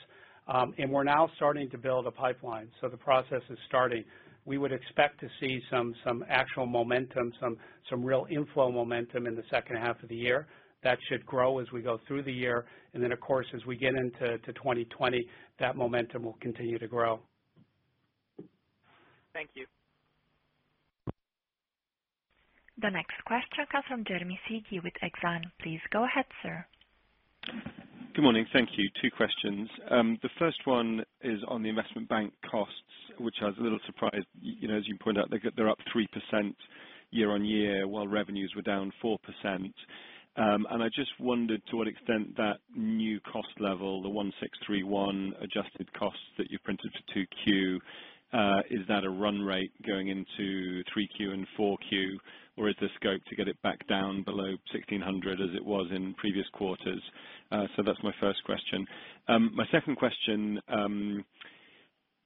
We're now starting to build a pipeline, so the process is starting. We would expect to see some actual momentum, some real inflow momentum in the second half of the year. That should grow as we go through the year. Of course, as we get into 2020, that momentum will continue to grow. Thank you. The next question comes from Jeremy Sigee with Exane. Please go ahead, sir. Good morning. Thank you. Two questions. The first one is on the Investment Bank costs, which I was a little surprised. As you pointed out, they're up 3% year-on-year, while revenues were down 4%. I just wondered to what extent that new cost level, the $1.631 billion adjusted costs that you printed for 2Q, is that a run rate going into 3Q and 4Q, or is there scope to get it back down below $1.600 billion as it was in previous quarters? That's my first question. My second question,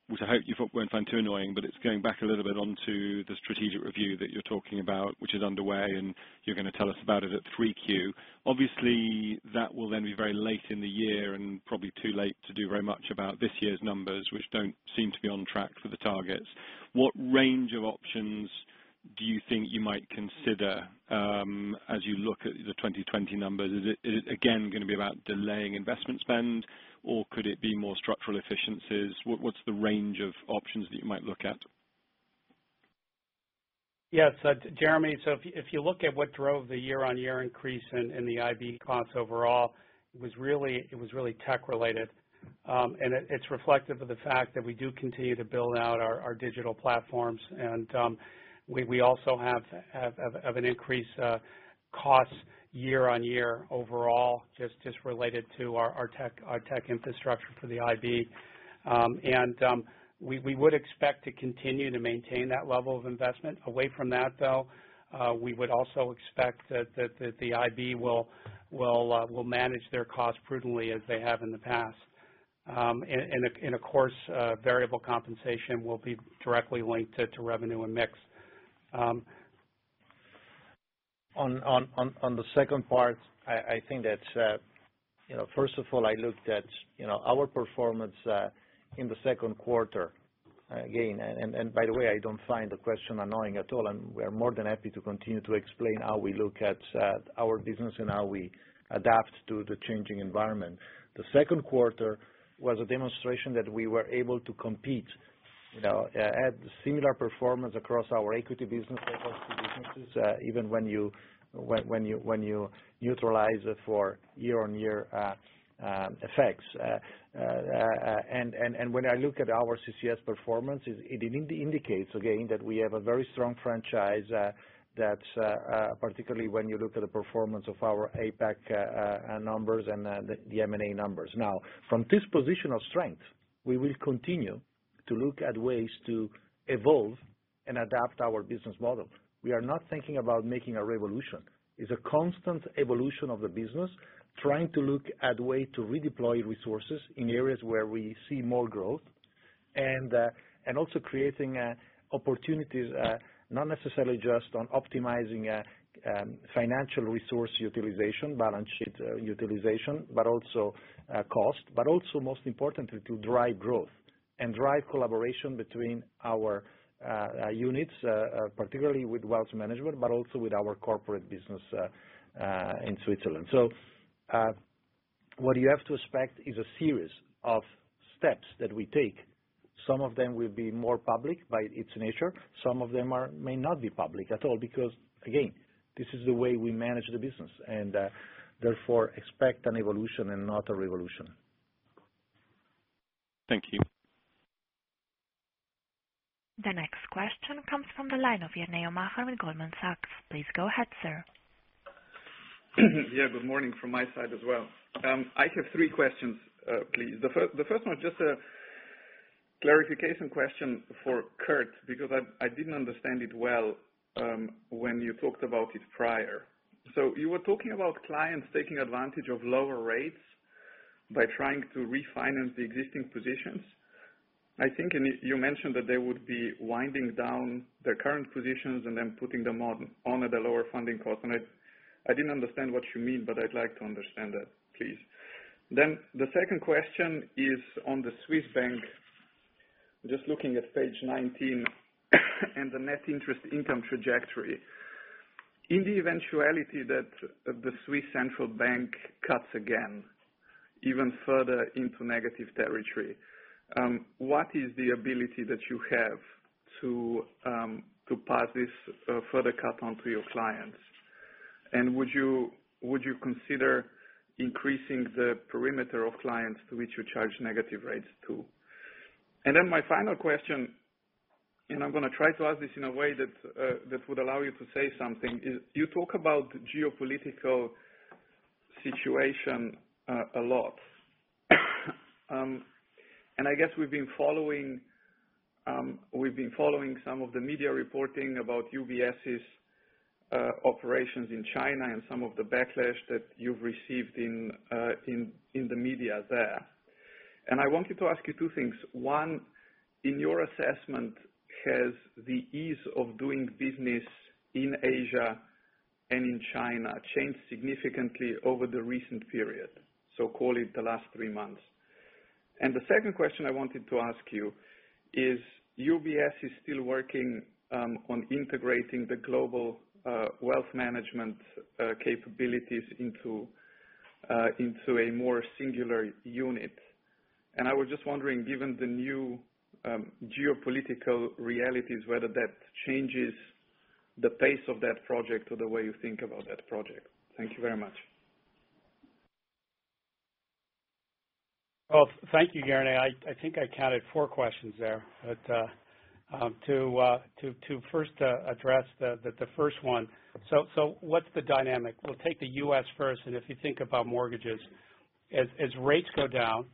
which I hope you won't find too annoying, it's going back a little bit onto the strategic review that you're talking about, which is underway, and you're going to tell us about it at 3Q. Obviously, that will then be very late in the year and probably too late to do very much about this year's numbers, which don't seem to be on track for the targets. What range of options do you think you might consider as you look at the 2020 numbers? Is it again going to be about delaying investment spend, or could it be more structural efficiencies? What's the range of options that you might look at? Yes, Jeremy, if you look at what drove the year-on-year increase in the IB costs overall, it was really tech related. It's reflective of the fact that we do continue to build out our digital platforms, and we also have an increased cost year-on-year overall, just related to our tech infrastructure for the IB. We would expect to continue to maintain that level of investment. Away from that, though, we would also expect that the IB will manage their costs prudently as they have in the past. Of course, variable compensation will be directly linked to revenue and mix. On the second part, I think that first of all, I looked at our performance in the second quarter again. By the way, I don't find the question annoying at all, and we're more than happy to continue to explain how we look at our business and how we adapt to the changing environment. The second quarter was a demonstration that we were able to compete at similar performance across our equity business across the businesses, even when you neutralize it for year-on-year effects. When I look at our CCS performance, it indicates, again, that we have a very strong franchise, particularly when you look at the performance of our APAC numbers and the M&A numbers. Now, from this position of strength, we will continue to look at ways to evolve and adapt our business model. We are not thinking about making a revolution. It's a constant evolution of the business, trying to look at way to redeploy resources in areas where we see more growth, and also creating opportunities, not necessarily just on optimizing financial resource utilization, balance sheet utilization, but also cost, but also most importantly, to drive growth and drive collaboration between our units, particularly with Wealth Management, but also with our corporate business in Switzerland. What you have to expect is a series of steps that we take. Some of them will be more public by its nature. Some of them may not be public at all, because, again, this is the way we manage the business, and therefore expect an evolution and not a revolution. Thank you. The next question comes from the line of Jernej Omahen with Goldman Sachs. Please go ahead, sir. Yeah, good morning from my side as well. I have three questions, please. The first one is just a clarification question for Kirt, because I didn't understand it well when you talked about it prior. You were talking about clients taking advantage of lower rates by trying to refinance the existing positions. I think you mentioned that they would be winding down their current positions and then putting them on at a lower funding cost, and I didn't understand what you mean, but I'd like to understand that, please. The second question is on the Swiss bank, just looking at page 19 and the net interest income trajectory. In the eventuality that the Swiss Central Bank cuts again even further into negative territory, what is the ability that you have to pass this further cut on to your clients? Would you consider increasing the perimeter of clients to which you charge negative rates, too? My final question, I'm going to try to ask this in a way that would allow you to say something, is you talk about geopolitical situation a lot. I guess we've been following some of the media reporting about UBS's operations in China and some of the backlash that you've received in the media there. I wanted to ask you two things. One, in your assessment, has the ease of doing business in Asia and in China changed significantly over the recent period, so call it the last three months? The second question I wanted to ask you is UBS is still working on integrating the Global Wealth Management capabilities into a more singular unit. I was just wondering, given the new geopolitical realities, whether that changes the pace of that project or the way you think about that project. Thank you very much. Well, thank you, Jernej. I think I counted four questions there. To first address the first one. What's the dynamic? We'll take the U.S. first, and if you think about mortgages, as rates go down,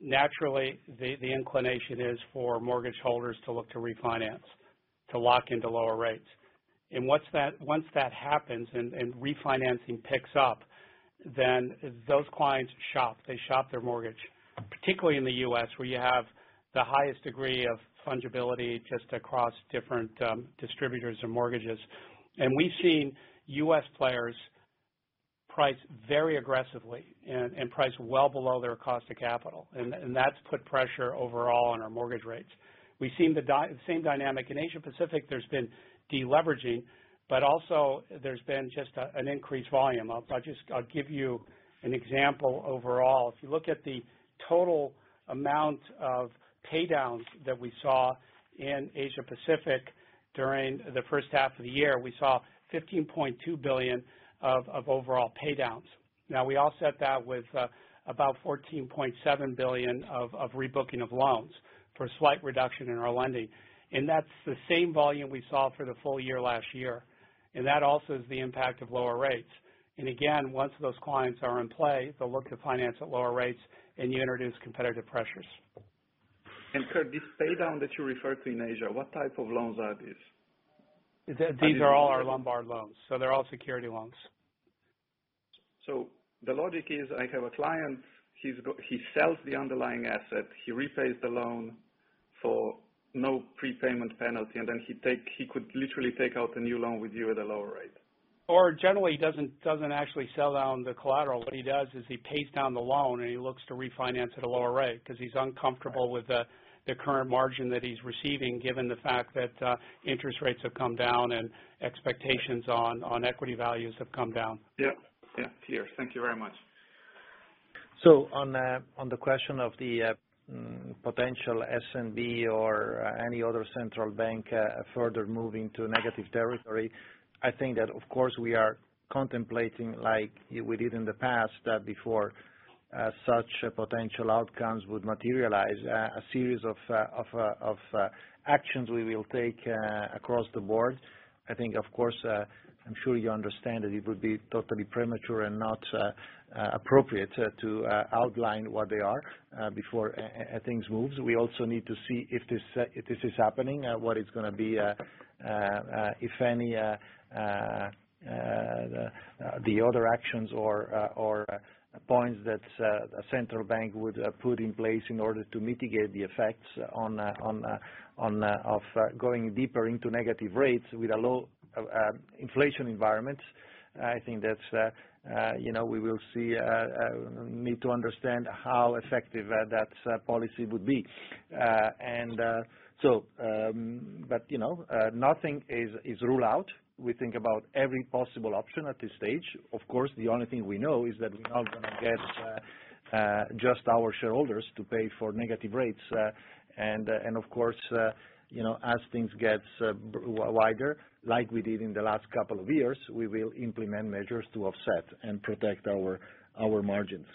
naturally, the inclination is for mortgage holders to look to refinance, to lock into lower rates. Once that happens and refinancing picks up, then those clients shop. They shop their mortgage, particularly in the U.S., where you have the highest degree of fungibility just across different distributors or mortgages. We've seen U.S. players price very aggressively and price well below their cost of capital, and that's put pressure overall on our mortgage rates. We've seen the same dynamic. In Asia-Pacific, there's been de-leveraging, but also there's been just an increased volume. I'll give you an example overall. If you look at the total amount of paydowns that we saw in Asia-Pacific during the first half of the year, we saw $15.2 billion of overall paydowns. Now, we offset that with about $14.7 billion of rebooking of loans for a slight reduction in our lending. That's the same volume we saw for the full year last year, and that also is the impact of lower rates. Again, once those clients are in play, they'll look to finance at lower rates, and you introduce competitive pressures. Kirt, this pay down that you referred to in Asia, what type of loans are these? These are all our Lombard loans. They're all security loans. The logic is, I have a client, he sells the underlying asset, he repays the loan for no prepayment penalty, and then he could literally take out a new loan with you at a lower rate? Generally, he doesn't actually sell down the collateral. What he does is he pays down the loan, and he looks to refinance at a lower rate because he's uncomfortable with the current margin that he's receiving, given the fact that interest rates have come down and expectations on equity values have come down. Yeah. Clear. Thank you very much. On the question of the potential SNB or any other central bank further moving to negative territory, I think that, of course, we are contemplating, like we did in the past, that before such potential outcomes would materialize, a series of actions we will take across the board. I think, of course, I'm sure you understand that it would be totally premature and not appropriate to outline what they are before things move. We also need to see if this is happening, what it's going to be, if any, the other actions or points that a central bank would put in place in order to mitigate the effects of going deeper into negative rates with a low inflation environment. I think that we will see. We need to understand how effective that policy would be. Nothing is ruled out. We think about every possible option at this stage. Of course, the only thing we know is that we're now going to get just our shareholders to pay for negative rates. Of course, as things get wider, like we did in the last couple of years, we will implement measures to offset and protect our margins.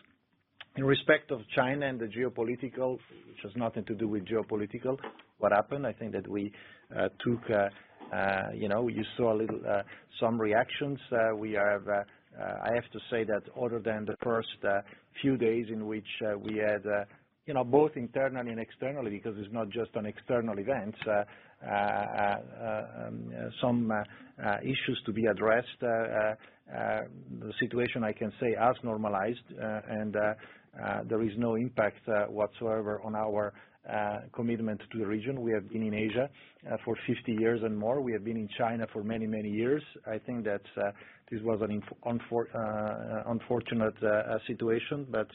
In respect of China and the geopolitical, which has nothing to do with geopolitical, what happened, I think that we took, you saw some reactions. I have to say that other than the first few days in which we had, both internally and externally, because it's not just on external events, some issues to be addressed, the situation, I can say, has normalized, and there is no impact whatsoever on our commitment to the region. We have been in Asia for 50 years and more. We have been in China for many years. I think that this was an unfortunate situation, but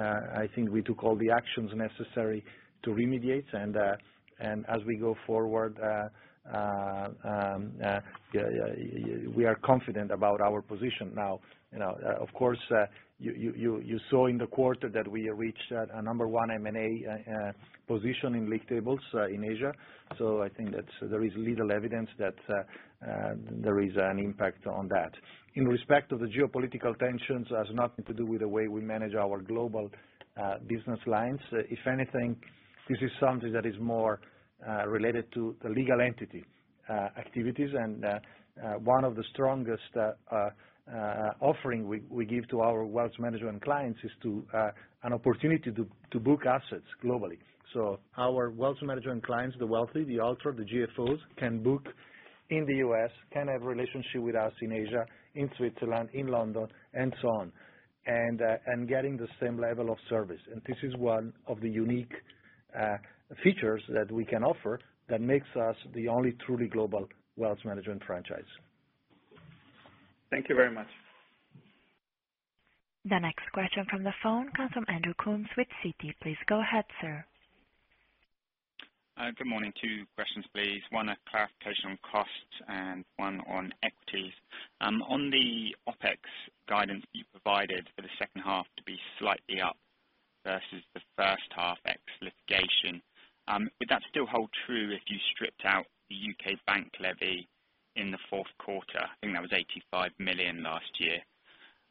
I think we took all the actions necessary to remediate. As we go forward, we are confident about our position now. Of course, you saw in the quarter that we reached a number one M&A position in league tables in Asia. I think that there is little evidence that there is an impact on that. In respect of the geopolitical tensions, it has nothing to do with the way we manage our global business lines. If anything, this is something that is more related to the legal entity activities. One of the strongest offering we give to our wealth management clients is an opportunity to book assets globally. Our wealth management clients, the wealthy, the ultra, the GFOs, can book in the U.S., can have relationship with us in Asia, in Switzerland, in London, and so on, and getting the same level of service. This is one of the unique features that we can offer that makes us the only truly global wealth management franchise. Thank you very much. The next question from the phone comes from Andrew Coombs with Citi. Please go ahead, sir. Good morning. Two questions, please. One, a clarification on costs, and one on equities. On the OpEx guidance you provided for the second half to be slightly up versus the first half ex litigation, would that still hold true if you stripped out the U.K. bank levy in the fourth quarter? I think that was $85 million last year.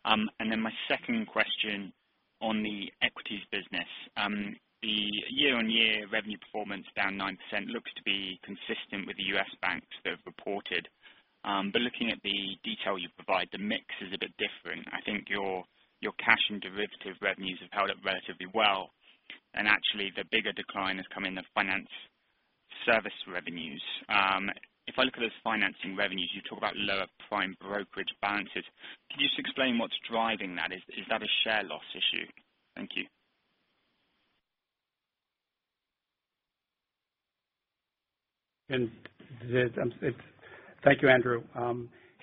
My second question on the equities business. The year-on-year revenue performance down 9% looks to be consistent with the U.S. banks that have reported. Looking at the detail you provide, the mix is a bit different. I think your cash and derivative revenues have held up relatively well, and actually, the bigger decline has come in the finance service revenues. If I look at those financing revenues, you talk about lower prime brokerage balances. Can you just explain what's driving that? Is that a share loss issue? Thank you. Thank you, Andrew.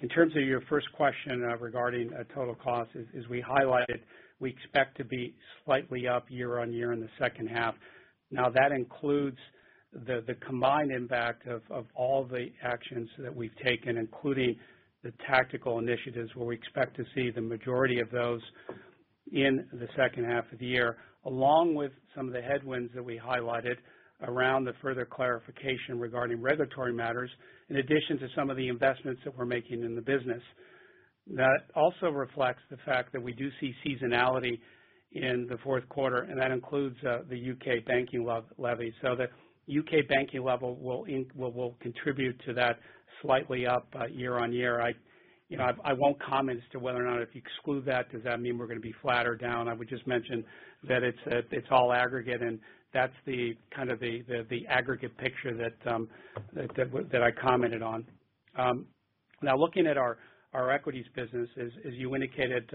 In terms of your first question regarding total cost, as we highlighted, we expect to be slightly up year-on-year in the second half. Now, that includes the combined impact of all the actions that we've taken, including the tactical initiatives, where we expect to see the majority of those in the second half of the year, along with some of the headwinds that we highlighted around the further clarification regarding regulatory matters, in addition to some of the investments that we're making in the business. That also reflects the fact that we do see seasonality in the fourth quarter, and that includes the U.K. banking levy. The U.K. banking levy will contribute to that slightly up year-on-year. I won't comment as to whether or not if you exclude that, does that mean we're going to be flat or down? I would just mention that it's all aggregate, and that's the aggregate picture that I commented on. Looking at our equities business, as you indicated,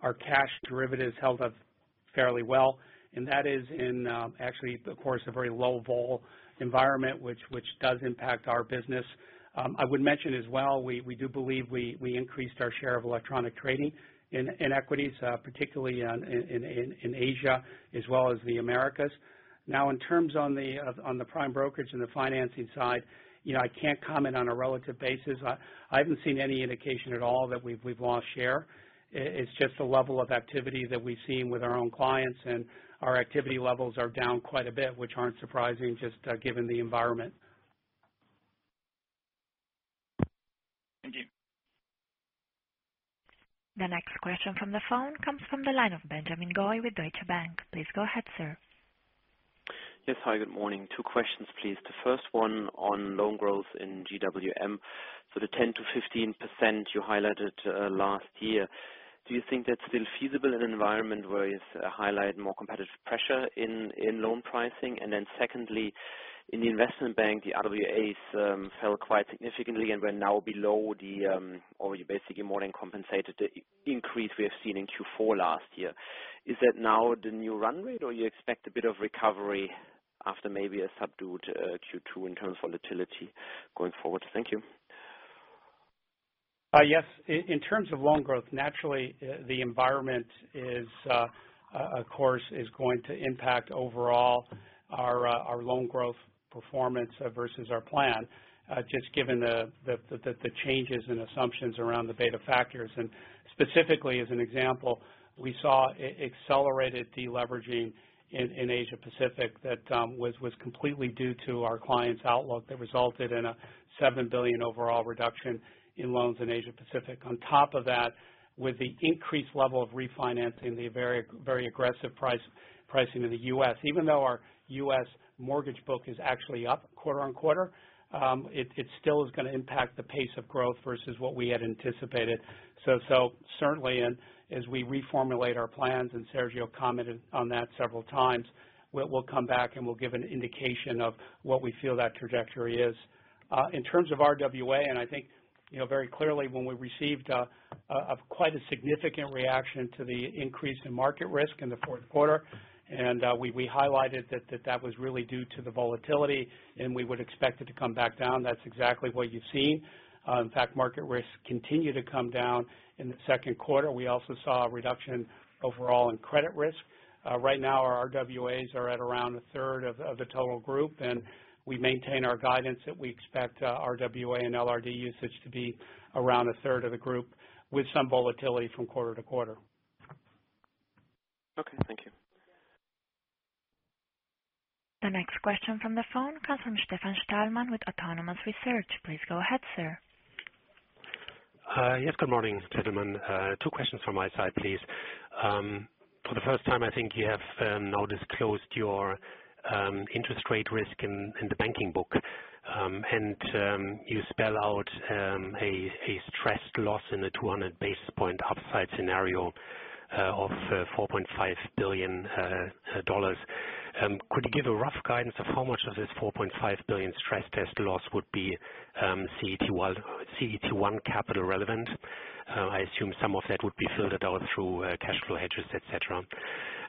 our cash, derivatives held up fairly well, and that is in actually, of course, a very low vol environment, which does impact our business. I would mention as well, we do believe we increased our share of electronic trading in Equities, particularly in Asia as well as the Americas. In terms on the prime brokerage and the financing side, I can't comment on a relative basis. I haven't seen any indication at all that we've lost share. It's just the level of activity that we've seen with our own clients, and our activity levels are down quite a bit, which aren't surprising, just given the environment. Thank you. The next question from the phone comes from the line of Benjamin Goy with Deutsche Bank. Please go ahead, sir. Yes. Hi, good morning. Two questions, please. The first one on loan growth in GWM. The 10%-15% you highlighted last year. Do you think that's still feasible in an environment where you highlight more competitive pressure in loan pricing? Secondly, in the investment bank, the RWAs fell quite significantly and were now below the, or you basically more than compensated the increase we have seen in Q4 last year. Is that now the new run rate, or you expect a bit of recovery after maybe a subdued Q2 in terms of volatility going forward? Thank you. Yes. In terms of loan growth, naturally, the environment, of course, is going to impact overall our loan growth performance versus our plan. Just given the changes in assumptions around the beta factors. Specifically, as an example, we saw accelerated deleveraging in Asia-Pacific that was completely due to our clients' outlook that resulted in a $7 billion overall reduction in loans in Asia-Pacific. On top of that, with the increased level of refinancing, the very aggressive pricing in the U.S., even though our U.S. mortgage book is actually up quarter-on-quarter, it still is going to impact the pace of growth versus what we had anticipated. Certainly, as we reformulate our plans, and Sergio commented on that several times, we'll come back, and we'll give an indication of what we feel that trajectory is. In terms of RWA, I think very clearly when we received quite a significant reaction to the increase in market risk in the fourth quarter, we highlighted that that was really due to the volatility, and we would expect it to come back down. That's exactly what you've seen. In fact, market risks continue to come down in the second quarter. We also saw a reduction overall in credit risk. Right now, our RWAs are at around a third of the total Group, and we maintain our guidance that we expect RWA and LRD usage to be around a third of the Group with some volatility from quarter to quarter. Okay. Thank you. The next question from the phone comes from Stefan Stalmann with Autonomous Research. Please go ahead, sir. Yes, good morning, gentlemen. Two questions from my side, please. For the first time, I think you have now disclosed your interest rate risk in the banking book. You spell out a stressed loss in the 200-basis point upside scenario of $4.5 billion. Could you give a rough guidance of how much of this $4.5 billion stress test loss would be CET1 capital relevant? I assume some of that would be filtered out through cash flow hedges, et cetera.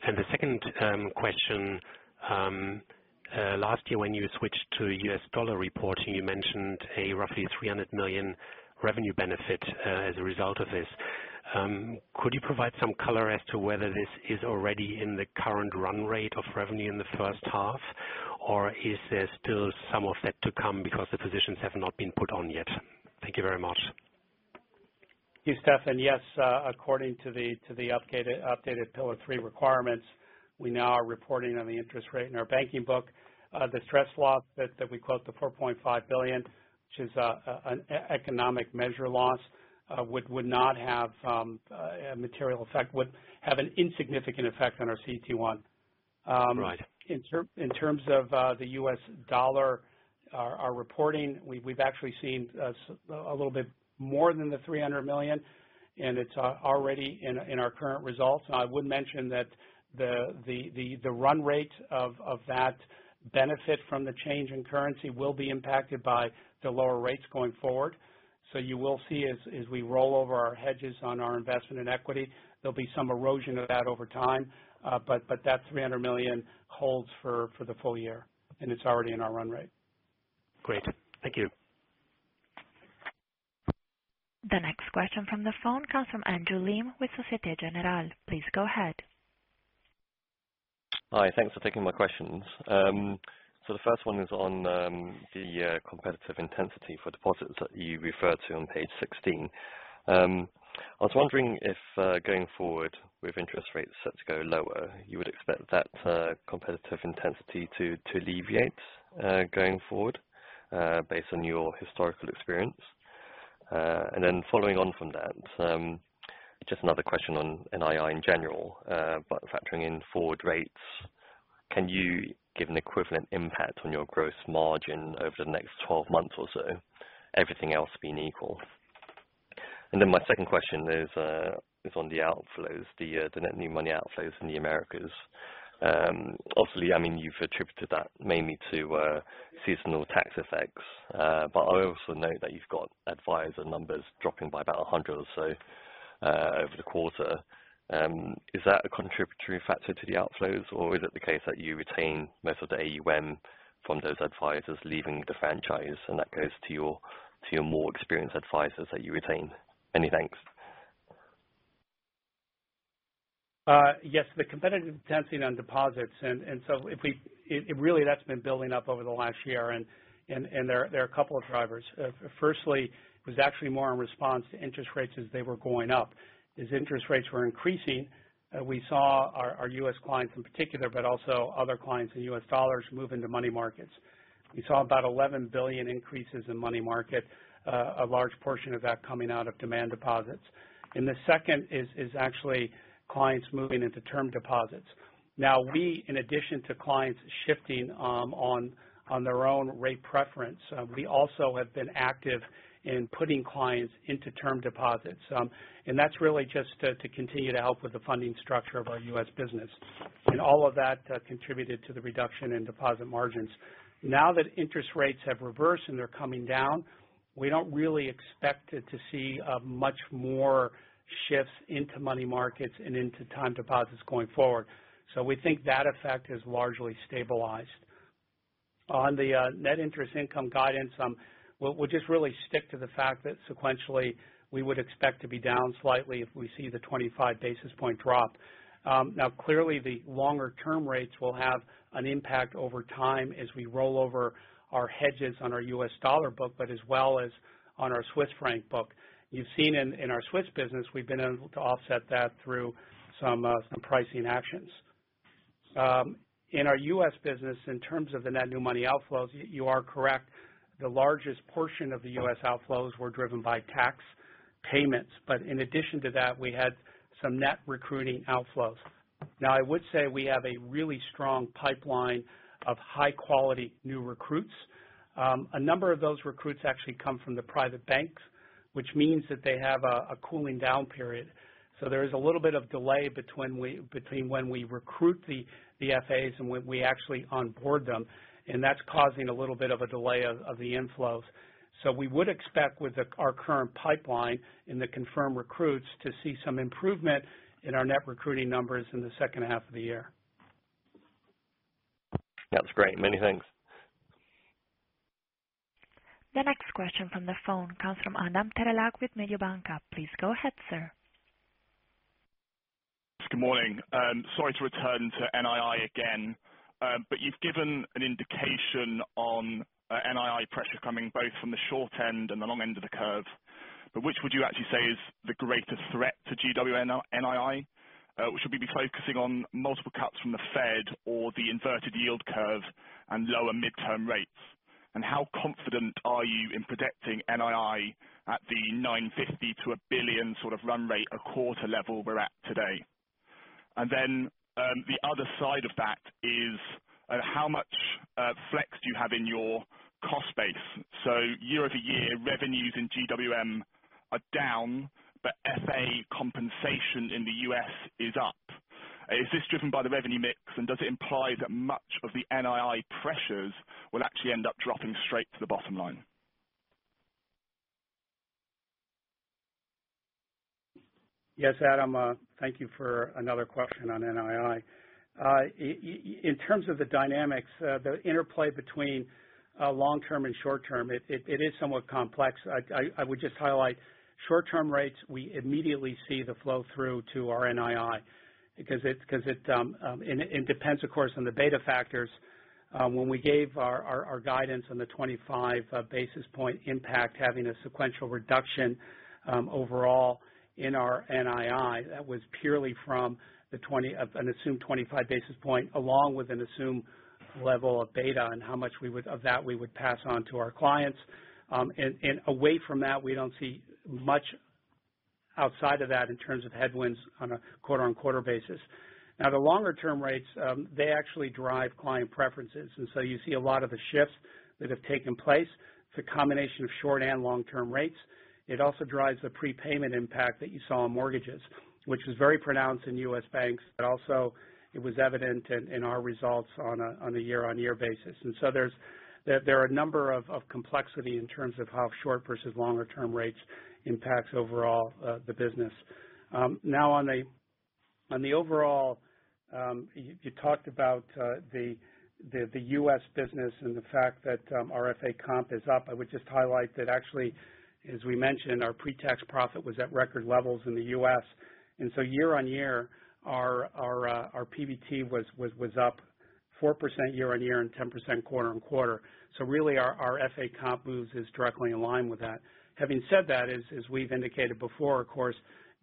The second question. Last year, when you switched to U.S. dollar reporting, you mentioned a roughly $300 million revenue benefit as a result of this. Could you provide some color as to whether this is already in the current run rate of revenue in the first half, or is there still some of that to come because the positions have not been put on yet? Thank you very much. Yes, Stefan. Yes. According to the updated Pillar 3 requirements, we now are reporting on the interest rate in our banking book. The stress loss that we quote, the $4.5 billion, which is an economic measure loss would not have a material effect, would have an insignificant effect on our CET1. Right. In terms of the U.S. dollar, our reporting, we've actually seen a little bit more than the $300 million, and it's already in our current results. I would mention that the run rate of that benefit from the change in currency will be impacted by the lower rates going forward. You will see as we roll over our hedges on our investment in equity, there'll be some erosion of that over time. That $300 million holds for the full year, and it's already in our run rate. Great. Thank you. The next question from the phone comes from Andrew Lim with Société Générale. Please go ahead. Hi, thanks for taking my questions. The first one is on the competitive intensity for deposits that you referred to on page 16. I was wondering if, going forward, with interest rates set to go lower, you would expect that competitive intensity to alleviate going forward based on your historical experience. Following on from that, just another question on NII in general. Factoring in forward rates, can you give an equivalent impact on your gross margin over the next 12 months or so, everything else being equal? My second question is on the outflows, the net new money outflows in the Americas. Obviously, you've attributed that mainly to seasonal tax effects. I also note that you've got advisor numbers dropping by about 100 or so over the quarter. Is that a contributory factor to the outflows, or is it the case that you retain most of the AUM from those advisors leaving the franchise, and that goes to your more experienced advisors that you retain? Many thanks. Yes, the competitive intensity on deposits. Really that's been building up over the last year, and there are a couple of drivers. Firstly, it was actually more in response to interest rates as they were going up. As interest rates were increasing, we saw our U.S. clients in particular, but also other clients in U.S. dollars move into money markets. We saw about $11 billion increases in money markets, a large portion of that coming out of demand deposits. The second is actually clients moving into term deposits. Now we, in addition to clients shifting on their own rate preference, we also have been active in putting clients into term deposits. That's really just to continue to help with the funding structure of our U.S. business. All of that contributed to the reduction in deposit margins. That interest rates have reversed and they are coming down, we don't really expect to see much more shifts into money markets and into time deposits going forward. We think that effect has largely stabilized. On the net interest income guidance, we will just really stick to the fact that sequentially, we would expect to be down slightly if we see the 25-basis point drop. Clearly, the longer-term rates will have an impact over time as we roll over our hedges on our U.S. dollar book, but as well as on our Swiss franc book. You've seen in our Swiss business, we've been able to offset that through some pricing actions. In our U.S. business, in terms of the net new money outflows, you are correct. The largest portion of the U.S. outflows were driven by tax payments. In addition to that, we had some net recruiting outflows. I would say we have a really strong pipeline of high-quality new recruits. A number of those recruits actually come from the private banks, which means that they have a cooling-down period. There is a little bit of delay between when we recruit the FAs and when we actually onboard them, and that's causing a little bit of a delay of the inflows. We would expect with our current pipeline in the confirmed recruits to see some improvement in our net recruiting numbers in the second half of the year. That's great. Many thanks. The next question from the phone comes from Adam Terelak with Mediobanca. Please go ahead, sir. Good morning. Sorry to return to NII again, you've given an indication on NII pressure coming both from the short end and the long end of the curve. Which would you actually say is the greatest threat to GWM NII? Should we be focusing on multiple cuts from the Fed or the inverted yield curve and lower midterm rates? How confident are you in projecting NII at the $950 million-$1 billion sort of run rate a quarter level we're at today? The other side of that is how much flex do you have in your cost base? Year-over-year, revenues in GWM are down, but FA compensation in the U.S. is up. Is this driven by the revenue mix, and does it imply that much of the NII pressures will actually end up dropping straight to the bottom line? Yes, Adam. Thank you for another question on NII. In terms of the dynamics, the interplay between long-term and short-term, it is somewhat complex. I would just highlight short-term rates, we immediately see the flow-through to our NII because it depends, of course, on the beta factors. When we gave our guidance on the 25-basis point impact having a sequential reduction overall in our NII, that was purely from an assumed 25 basis points along with an assumed level of beta and how much of that we would pass on to our clients. Away from that, we don't see much outside of that in terms of headwinds on a quarter-on-quarter basis. Now, the longer-term rates, they actually drive client preferences. So you see a lot of the shifts that have taken place. It's a combination of short and long-term rates. It also drives the prepayment impact that you saw on mortgages, which was very pronounced in U.S. banks, but also it was evident in our results on a year-on-year basis. There are a number of complexity in terms of how short versus longer-term rates impacts overall the business. Now, on the overall, you talked about the U.S. business and the fact that our FA comp is up. I would just highlight that actually, as we mentioned, our pre-tax profit was at record levels in the U.S. Year-on-year, our PBT was up 4% year-on-year and 10% quarter-on-quarter. Really, our FA comp move is directly in line with that. Having said that, as we've indicated before, of course,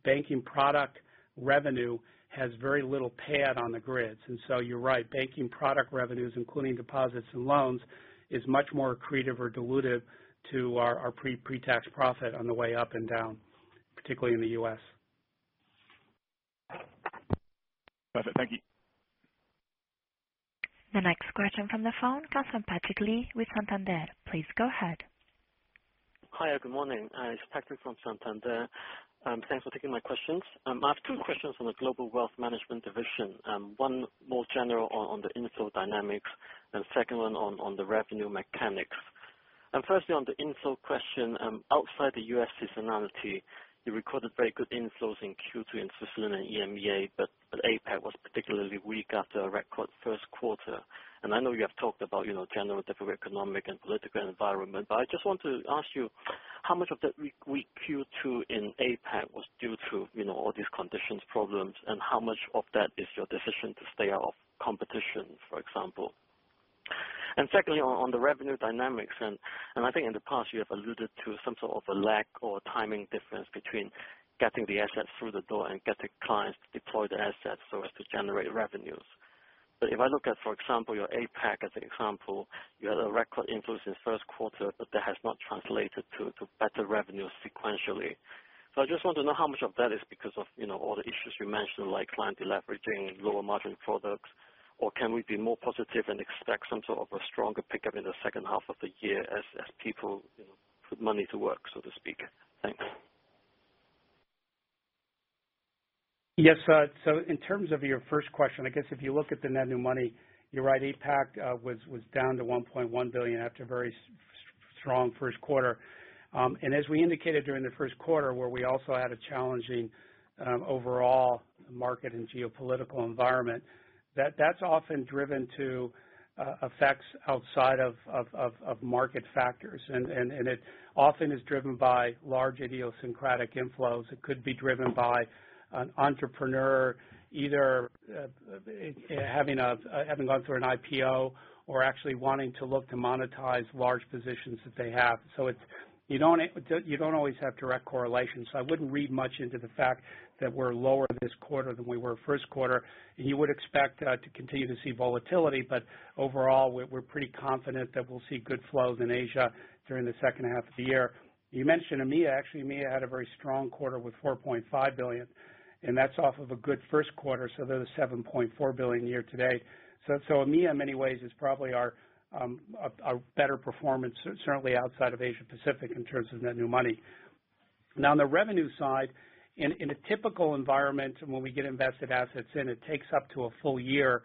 banking product revenue has very little payout on the grids. You're right, banking product revenues, including deposits and loans, is much more accretive or dilutive to our pre-tax profit on the way up and down, particularly in the U.S. Perfect. Thank you. The next question from the phone comes from Patrick Lee with Santander. Please go ahead. Hi, good morning. It's Patrick from Santander. Thanks for taking my questions. I have two questions on the Global Wealth Management division. One more general on the inflow dynamics, and second one on the revenue mechanics. Firstly, on the inflow question, outside the U.S. seasonality, you recorded very good inflows in Q2 in Switzerland and EMEA, but APAC was particularly weak after a record first quarter. I know you have talked about general economic and political environment, but I just want to ask you, how much of that weak Q2 in APAC was due to all these conditions problems, and how much of that is your decision to stay out of competition, for example? Secondly, on the revenue dynamics, and I think in the past you have alluded to some sort of a lag or timing difference between getting the assets through the door and getting clients to deploy the assets so as to generate revenues. If I look at, for example, your APAC as an example, you had a record inflows in first quarter, but that has not translated to better revenues sequentially. I just want to know how much of that is because of all the issues you mentioned, like client deleveraging, lower-margin products, or can we be more positive and expect some sort of a stronger pickup in the second half of the year as people put money to work, so to speak? Thanks. Yes. In terms of your first question, I guess if you look at the net new money, you're right, APAC was down to $1.1 billion after very strong first quarter. As we indicated during the first quarter, where we also had a challenging overall market and geopolitical environment, that's often driven to effects outside of market factors. It often is driven by large idiosyncratic inflows. It could be driven by an entrepreneur either having gone through an IPO or actually wanting to look to monetize large positions that they have. You don't always have direct correlation. I wouldn't read much into the fact that we're lower this quarter than we were first quarter. You would expect to continue to see volatility, but overall, we're pretty confident that we'll see good flows in Asia during the second half of the year. You mentioned EMEA. Actually, EMEA had a very strong quarter with $4.5 billion, and that's off of a good first quarter, so that is $7.4 billion year-to-date. EMEA in many ways is probably our better performance, certainly outside of Asia-Pacific in terms of net new money. On the revenue side, in a typical environment when we get invested assets in, it takes up to a full year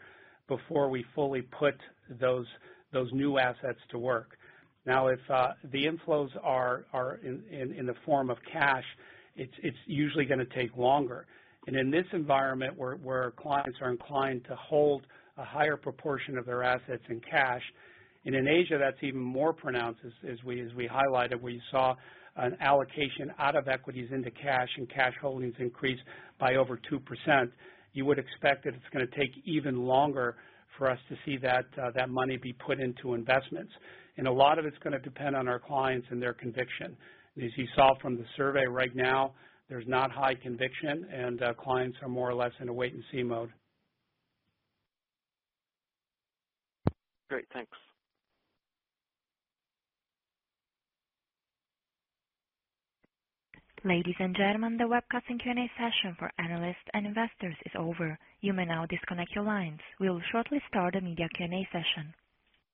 before we fully put those new assets to work. If the inflows are in the form of cash, it's usually going to take longer. In this environment where clients are inclined to hold a higher proportion of their assets in cash, and in Asia, that's even more pronounced, as we highlighted, we saw an allocation out of equities into cash and cash holdings increase by over 2%, you would expect that it's going to take even longer for us to see that money be put into investments. A lot of it's going to depend on our clients and their conviction. As you saw from the survey right now, there's not high conviction and clients are more or less in a wait-and-see mode. Great. Thanks. Ladies and gentlemen, the webcast and Q&A session for analysts and investors is over. You may now disconnect your lines. We will shortly start a media Q&A session.